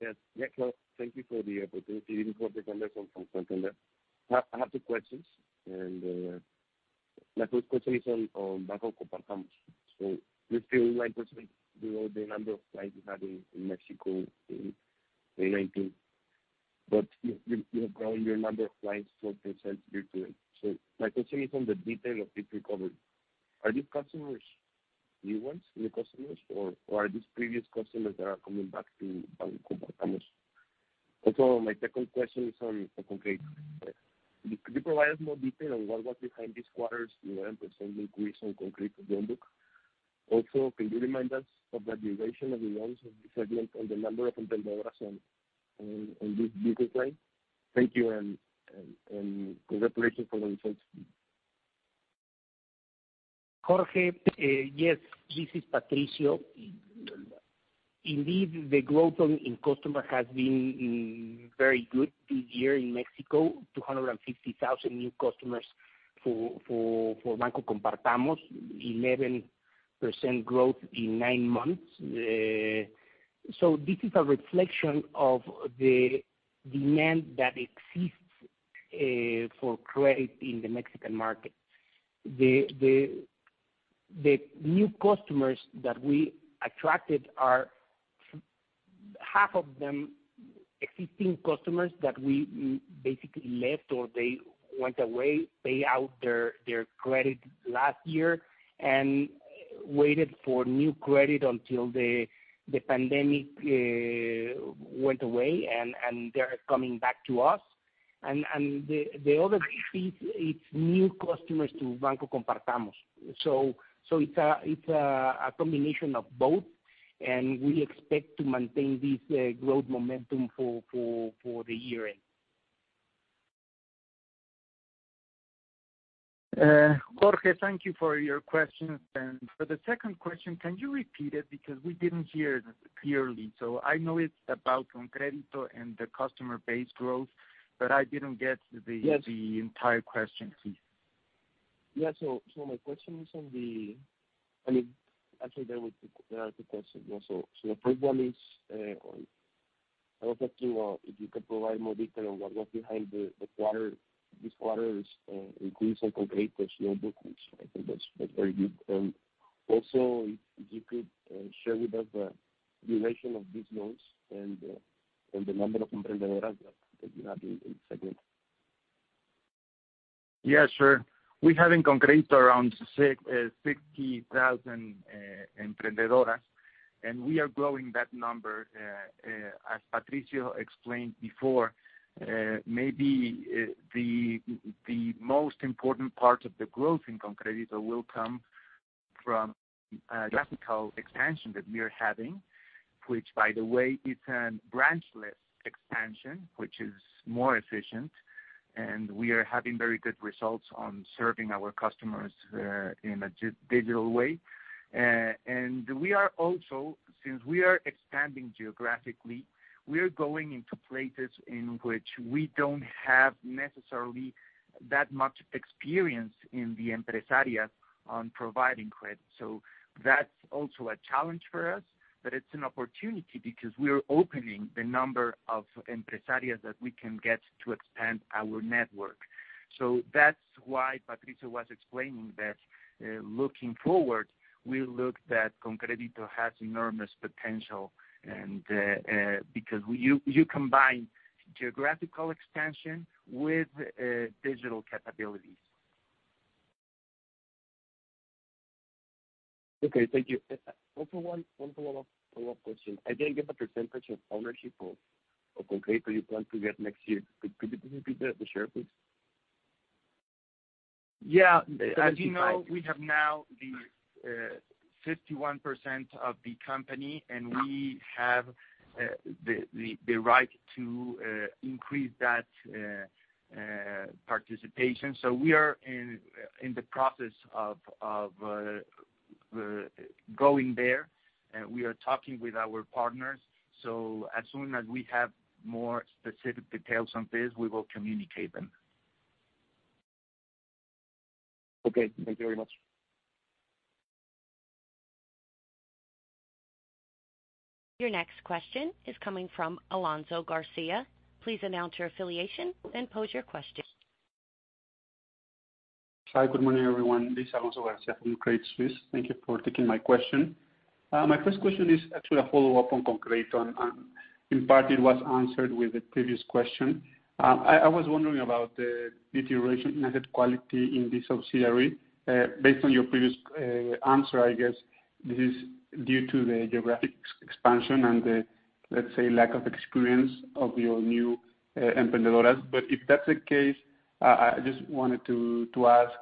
Yes. Yeah, thank you for the opportunity. Jorge Henderson from Santander. I have two questions, and my first question is on Banco Compartamos. You still 9% below the number of clients you had in Mexico in 2019. But you have grown your number of clients 4% year-to-date. My question is on the detail of this recovery. Are these customers new ones, new customers, or are these previous customers that are coming back to Banco Compartamos? Also, my second question is on ConCrédito. Could you provide us more detail on what was behind this quarter's 11% increase on ConCrédito loan book? Also, can you remind us of the duration of the loans of this segment and the number of emprendedoras in this [line]? Thank you and congratulations for the results. Jorge, yes, this is Patricio. Indeed, the growth in customers has been very good this year in Mexico, 250,000 new customers for Banco Compartamos, 11% growth in nine months. This is a reflection of the demand that exists for credit in the Mexican market. The new customers that we attracted are half of them existing customers that we basically left or they went away, paid out their credit last year and waited for new credit until the pandemic went away and they're coming back to us. The other piece is it's new customers to Banco Compartamos. It's a combination of both, and we expect to maintain this growth momentum for the year end. Jorge, thank you for your questions. For the second question, can you repeat it? Because we didn't hear it clearly. I know it's about ConCrédito and the customer base growth, but I didn't get the Yes. The entire question, please. I mean, actually, there are two questions. The first one is if you could provide more detail on what was behind this quarter's increase on ConCrédito's loan book, which I think that's very good. And also if you could share with us the duration of these loans and the number of emprendedoras that you have in segment. Yeah, sure. We have in ConCrédito around 60,000 emprendedoras, and we are growing that number. As Patricio explained before, maybe the most important part of the growth in ConCrédito will come from geographical expansion that we are having, which, by the way, is a branchless expansion, which is more efficient, and we are having very good results on serving our customers in a digital way. We are also, since we are expanding geographically, going into places in which we don't have necessarily that much experience in the empresarias on providing credit. That's also a challenge for us, but it's an opportunity because we are opening the number of empresarias that we can get to expand our network. That's why Patricio was explaining that, looking forward, we see that ConCrédito has enormous potential and, because you combine geographical expansion with digital capabilities. Okay, thank you. Also one follow-up question. Again, give a percentage of ownership of ConCrédito you plan to get next year. Could you repeat that the share, please? Yeah. As you know, we have now the 51% of the company, and we have the right to increase that participation. We are in the process of going there. We are talking with our partners, so as soon as we have more specific details on this, we will communicate them. Okay. Thank you very much. Your next question is coming from Alonso Garcia. Please announce your affiliation, then pose your question. Hi. Good morning, everyone. This is Alonso Garcia from Credit Suisse. Thank you for taking my question. My first question is actually a follow-up on ConCrédito, and in part it was answered with the previous question. I was wondering about the deterioration in asset quality in the subsidiary. Based on your previous answer, I guess this is due to the geographic expansion and the, let's say, lack of experience of your new emprendedoras. But if that's the case, I just wanted to ask,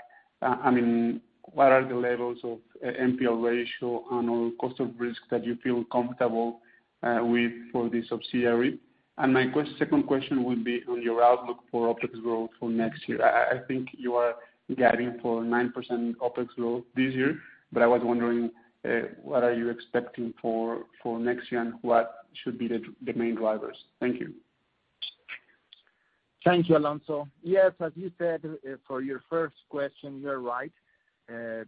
I mean, what are the levels of NPL ratio and total cost of risk that you feel comfortable with for the subsidiary? And my second question would be on your outlook for OpEx growth for next year. I think you are guiding for 9% OpEx growth this year, but I was wondering what are you expecting for next year, and what should be the main drivers? Thank you. Thank you, Alonso. Yes, as you said, for your first question, you're right.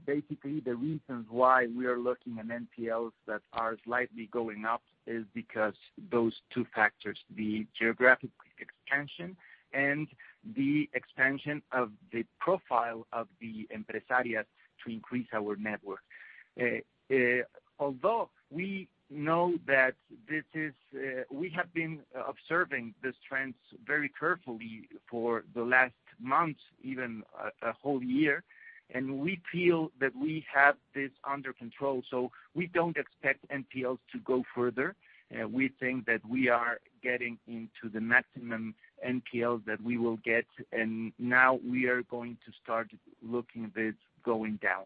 Basically the reasons why we are looking at NPLs that are slightly going up is because those two factors, the geographic expansion and the expansion of the profile of the empresarias to increase our network. Although we know that this is, we have been observing these trends very carefully for the last months, even a whole year, and we feel that we have this under control, so we don't expect NPLs to go further. We think that we are getting into the maximum NPL that we will get, and now we are going to start looking this going down.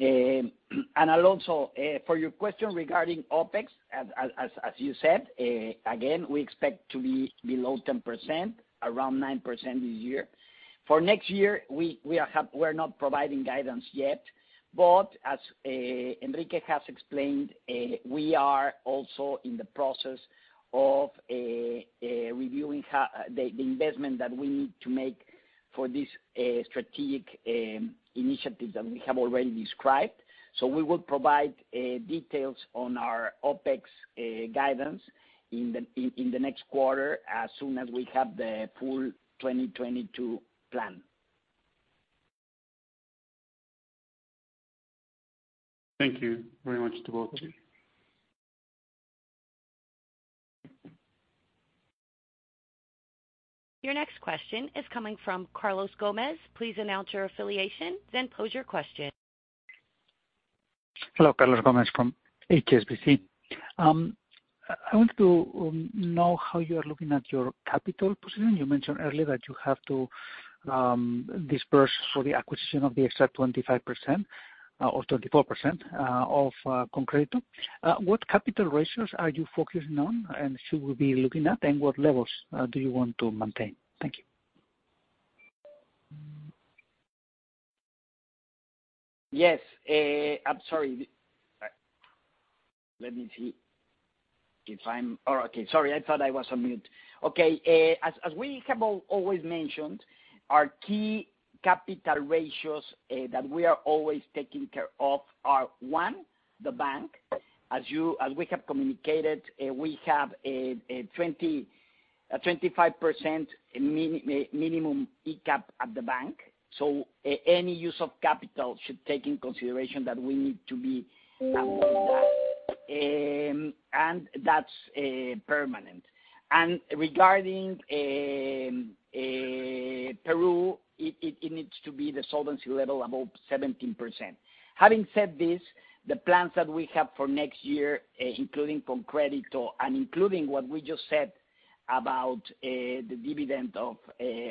Alonso, for your question regarding OpEx, as you said, again, we expect to be below 10%, around 9% this year. For next year, we're not providing guidance yet, but as Enrique has explained, we are also in the process of reviewing the investment that we need to make for this strategic initiative that we have already described. We will provide details on our OpEx guidance in the next quarter as soon as we have the full 2022 plan. Thank you very much to both of you. Your next question is coming from Carlos Gómez. Please announce your affiliation, then pose your question. Hello. Carlos Gómez from HSBC. I want to know how you are looking at your capital position. You mentioned earlier that you have to disburse for the acquisition of the extra 25% or 24% of ConCrédito. What capital ratios are you focusing on and should we be looking at, and what levels do you want to maintain? Thank you. I'm sorry. Sorry, I thought I was on mute. Okay. As we have always mentioned, our key capital ratios that we are always taking care of are one, the bank. As we have communicated, we have a 25% minimum [CAR] at the bank. So any use of capital should take into consideration that we need to be above that. And that's permanent. Regarding Peru, it needs to be the solvency level above 17%. Having said this, the plans that we have for next year, including ConCrédito and including what we just said about the dividend of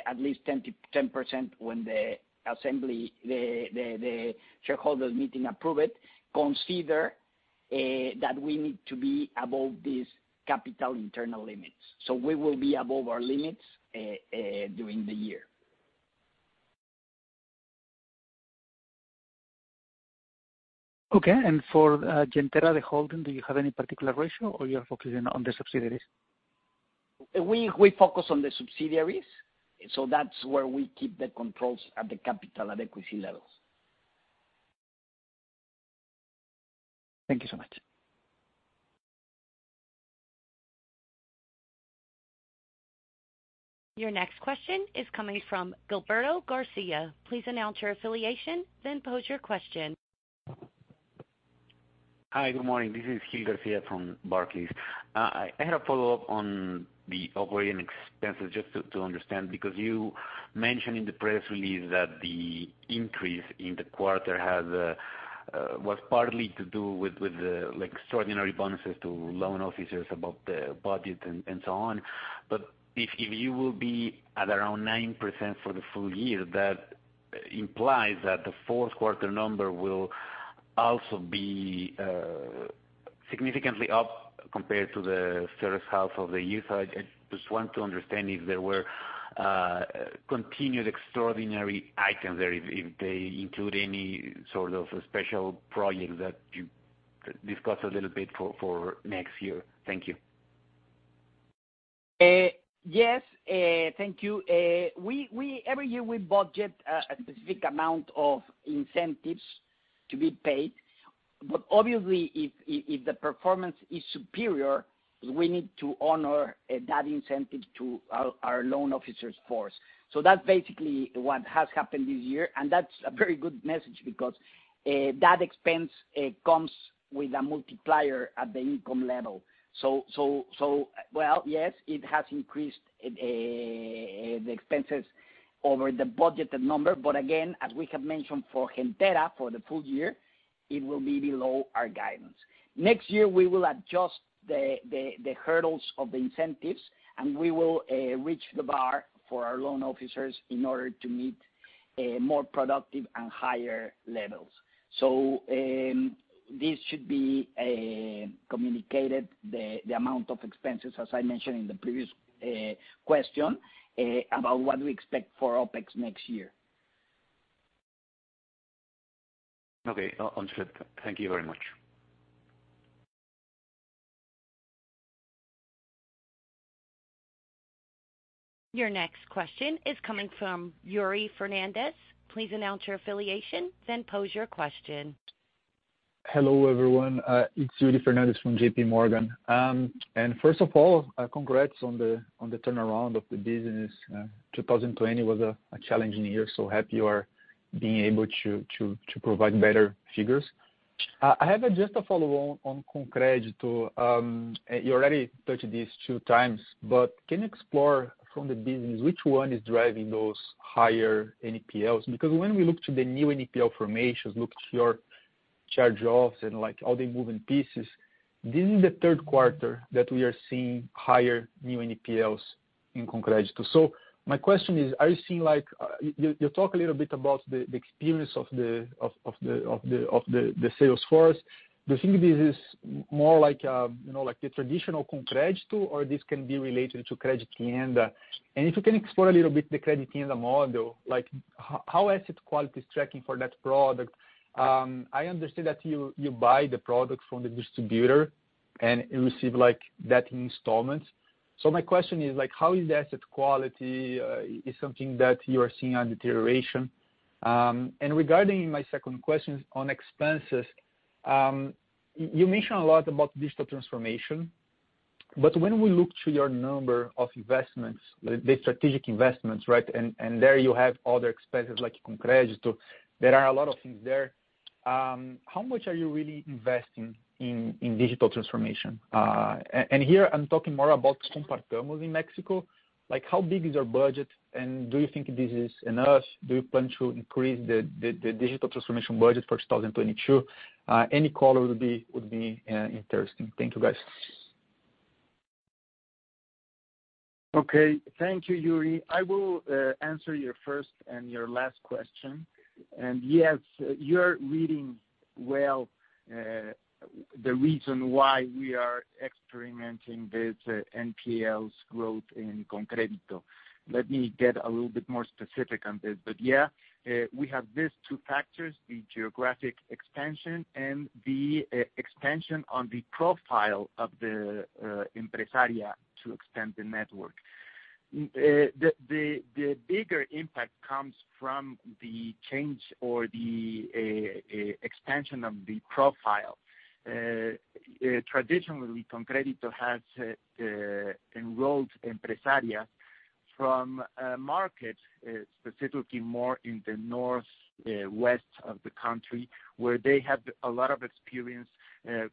at least 10% when the shareholders meeting approve it, consider that we need to be above these capital internal limits. We will be above our limits during the year. Okay. For Gentera, the holding, do you have any particular ratio or you are focusing on the subsidiaries? We focus on the subsidiaries, so that's where we keep the controls at the capital and equity levels. Thank you so much. Your next question is coming from Gilberto García. Please announce your affiliation, then pose your question. Hi, good morning. This is Gil García from Barclays. I had a follow-up on the operating expenses, just to understand, because you mentioned in the press release that the increase in the quarter has was partly to do with the like extraordinary bonuses to loan officers above the budget and so on. But if you will be at around 9% for the full year, that implies that the fourth quarter number will also be significantly up compared to the first half of the year. I just want to understand if there were continued extraordinary items or if they include any sort of special projects that you discuss a little bit for next year. Thank you. Yes, thank you. Every year, we budget a specific amount of incentives to be paid. Obviously, if the performance is superior, we need to honor that incentive to our loan officers force. That's basically what has happened this year, and that's a very good message because that expense, it comes with a multiplier at the income level. Well, yes, it has increased the expenses over the budgeted number. Again, as we have mentioned for Gentera, for the full year, it will be below our guidance. Next year, we will adjust the hurdles of the incentives, and we will reach the bar for our loan officers in order to meet a more productive and higher levels. This should be communicated the amount of expenses, as I mentioned in the previous question, about what we expect for OpEx next year. Okay. Understood. Thank you very much. Your next question is coming from Yuri Fernandes. Please announce your affiliation, then pose your question. Hello, everyone. It's Yuri Fernandes from JPMorgan. And first of all, congrats on the turnaround of the business. 2020 was a challenging year, so happy you are being able to provide better figures. I have just a follow-on on ConCrédito. You already touched this two times, but can you explore from the business which one is driving those higher NPLs? Because when we look to the new NPL formations, look to your charge-offs and, like, all the moving pieces, this is the third quarter that we are seeing higher new NPLs in ConCrédito. So my question is, are you seeing like, you talk a little bit about the experience of the sales force. Do you think this is more like, you know, like the traditional ConCrédito, or this can be related to CrediTienda? If you can explore a little bit the CrediTienda model, like how asset quality is tracking for that product. I understand that you buy the product from the distributor and receive, like, those installments. My question is, like, how is the asset quality? Is something that you are seeing a deterioration? Regarding my second question on expenses, you mention a lot about digital transformation. When we look to your number of investments, the strategic investments, right? And there you have other expenses like ConCrédito. There are a lot of things there. How much are you really investing in digital transformation? Here I'm talking more about Compartamos in Mexico. Like, how big is your budget, and do you think this is enough? Do you plan to increase the digital transformation budget for 2022? Any color would be interesting. Thank you, guys. Okay. Thank you, Yuri. I will answer your first and your last question. Yes, you're reading well, the reason why we are experiencing this NPLs growth in ConCrédito. Let me get a little bit more specific on this. Yeah, we have these two factors, the geographic expansion and the expansion on the profile of the empresarias to extend the network. The bigger impact comes from the change or the expansion of the profile. Traditionally, ConCrédito has enrolled empresarias from markets, specifically more in the northwest of the country, where they have a lot of experience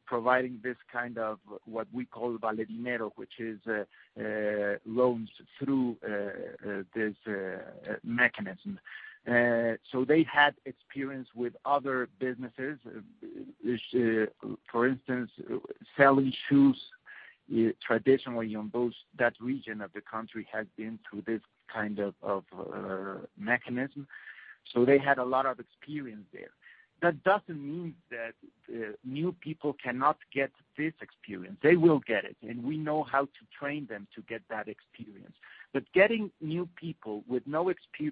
providing this kind of what we call ValeDinero, which is loans through this mechanism. They had experience with other businesses, which, for instance, selling shoes, traditionally in that region of the country has been through this kind of mechanism. They had a lot of experience there. That doesn't mean that new people cannot get this experience. They will get it, and we know how to train them to get that experience. Getting new people with no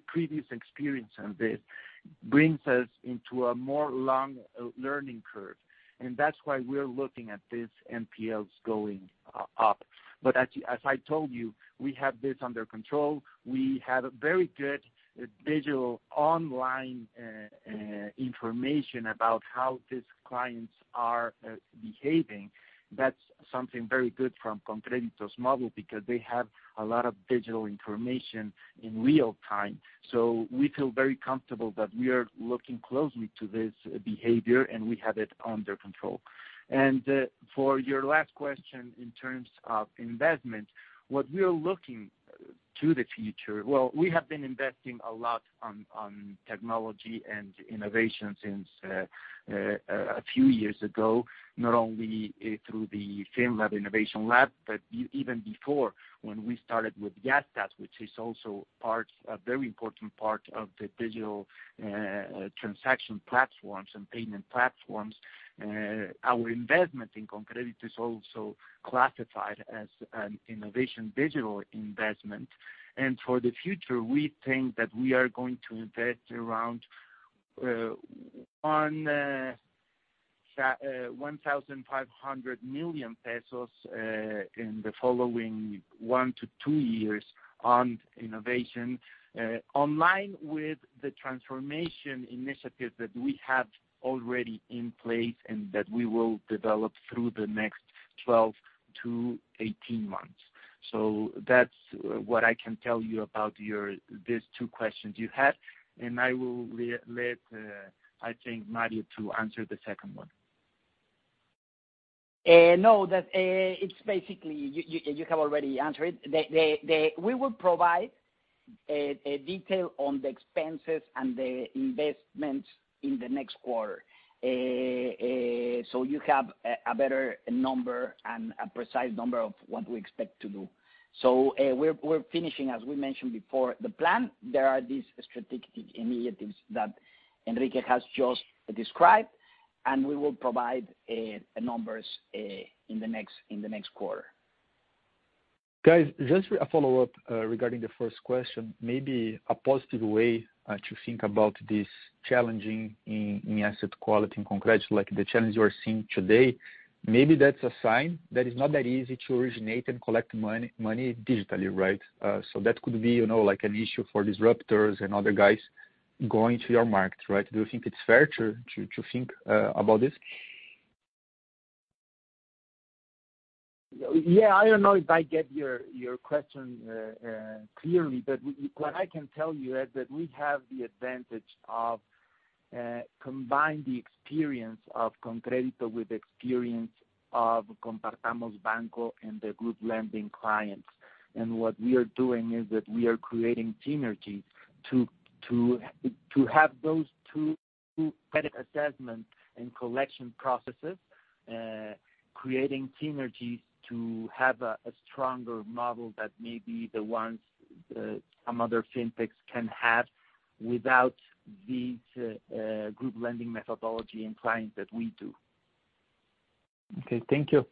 previous experience on this brings us into a longer learning curve, and that's why we're looking at this NPLs going up. As I told you, we have this under control. We have a very good digital online information about how these clients are behaving. That's something very good from ConCrédito's model because they have a lot of digital information in real time. We feel very comfortable that we are looking closely to this behavior, and we have it under control. For your last question in terms of investment, what we are looking to the future. Well, we have been investing a lot on technology and innovation since a few years ago, not only through the Fiinlab innovation lab, but even before when we started with Yastás, which is also a very important part of the digital transaction platforms and payment platforms. Our investment in ConCrédito is also classified as an innovation digital investment. For the future, we think that we are going to invest around 1,500 million pesos in the following 1-2 years on innovation, online with the transformation initiatives that we have already in place and that we will develop through the next 12-18 months. That's what I can tell you about these two questions you had. I will let, I think, Mario to answer the second one. No. You have already answered. We will provide a detail on the expenses and the investments in the next quarter. You have a better number and a precise number of what we expect to do. We're finishing, as we mentioned before, the plan. There are these strategic initiatives that Enrique has just described, and we will provide numbers in the next quarter. Guys, just a follow-up regarding the first question. Maybe a positive way to think about this challenge in asset quality in ConCrédito, like the challenge you are seeing today, maybe that's a sign that it's not that easy to originate and collect money digitally, right? So that could be, you know, like an issue for disruptors and other guys going to your market, right? Do you think it's fair to think about this? Yeah, I don't know if I get your question clearly. What I can tell you is that we have the advantage of combine the experience of ConCrédito with experience of Banco Compartamos and the group lending clients. What we are doing is that we are creating synergy to have those two credit assessment and collection processes, creating synergies to have a stronger model than the ones some other fintechs can have without these group lending methodology and clients that we do. Okay, thank you.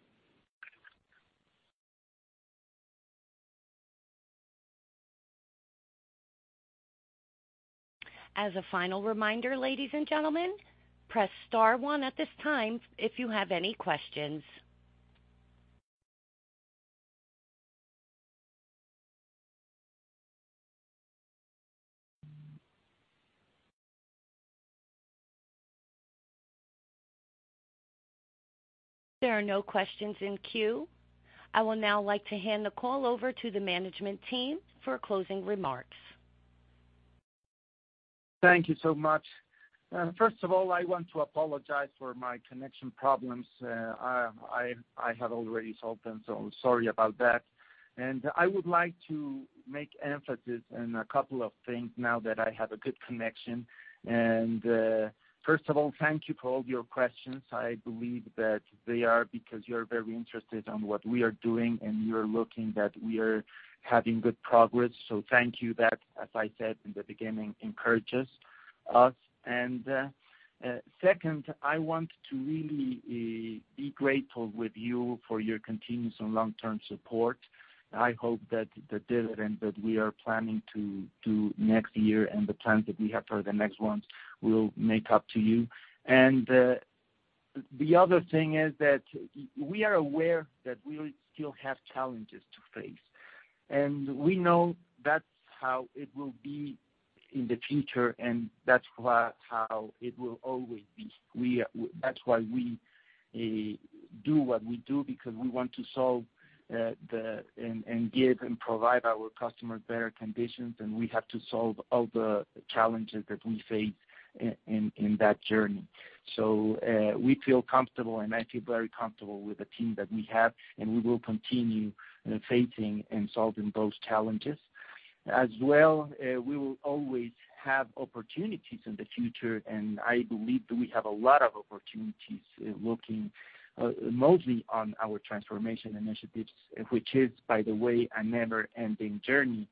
As a final reminder, ladies and gentlemen, press star one at this time if you have any questions. There are no questions in queue. I will now like to hand the call over to the management team for closing remarks. Thank you so much. First of all, I want to apologize for my connection problems. I have already solved them, so sorry about that. I would like to make emphasis in a couple of things now that I have a good connection. First of all, thank you for all your questions. I believe that they are because you're very interested on what we are doing, and you're looking that we are having good progress. Thank you. That, as I said in the beginning, encourages us. Second, I want to really be grateful with you for your continuous and long-term support. I hope that the dividend that we are planning to do next year and the plans that we have for the next ones will make up to you. The other thing is that we are aware that we still have challenges to face, and we know that's how it will be in the future, and that's how it will always be. That's why we do what we do, because we want to solve and give and provide our customers better conditions, and we have to solve all the challenges that we face in that journey. We feel comfortable, and I feel very comfortable with the team that we have, and we will continue facing and solving those challenges. As well, we will always have opportunities in the future, and I believe that we have a lot of opportunities looking mostly on our transformation initiatives, which is, by the way, a never-ending journey.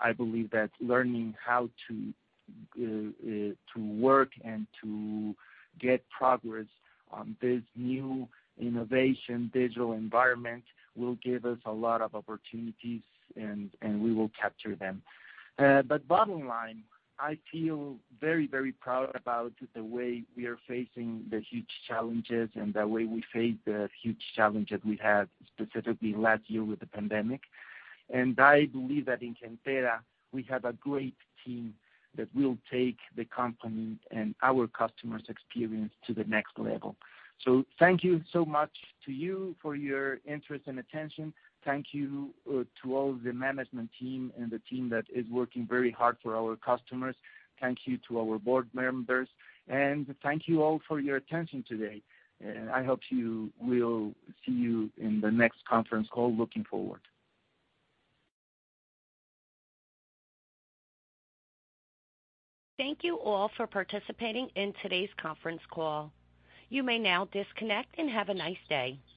I believe that learning how to work and to get progress on this new innovation digital environment will give us a lot of opportunities, and we will capture them. Bottom line, I feel very proud about the way we are facing the huge challenges and the way we face the huge challenge that we had specifically last year with the pandemic. I believe that in Gentera, we have a great team that will take the company and our customers' experience to the next level. Thank you so much to you for your interest and attention. Thank you to all the management team and the team that is working very hard for our customers. Thank you to our board members. Thank you all for your attention today. I hope we'll see you in the next conference call. Looking forward. Thank you all for participating in today's conference call. You may now disconnect and have a nice day.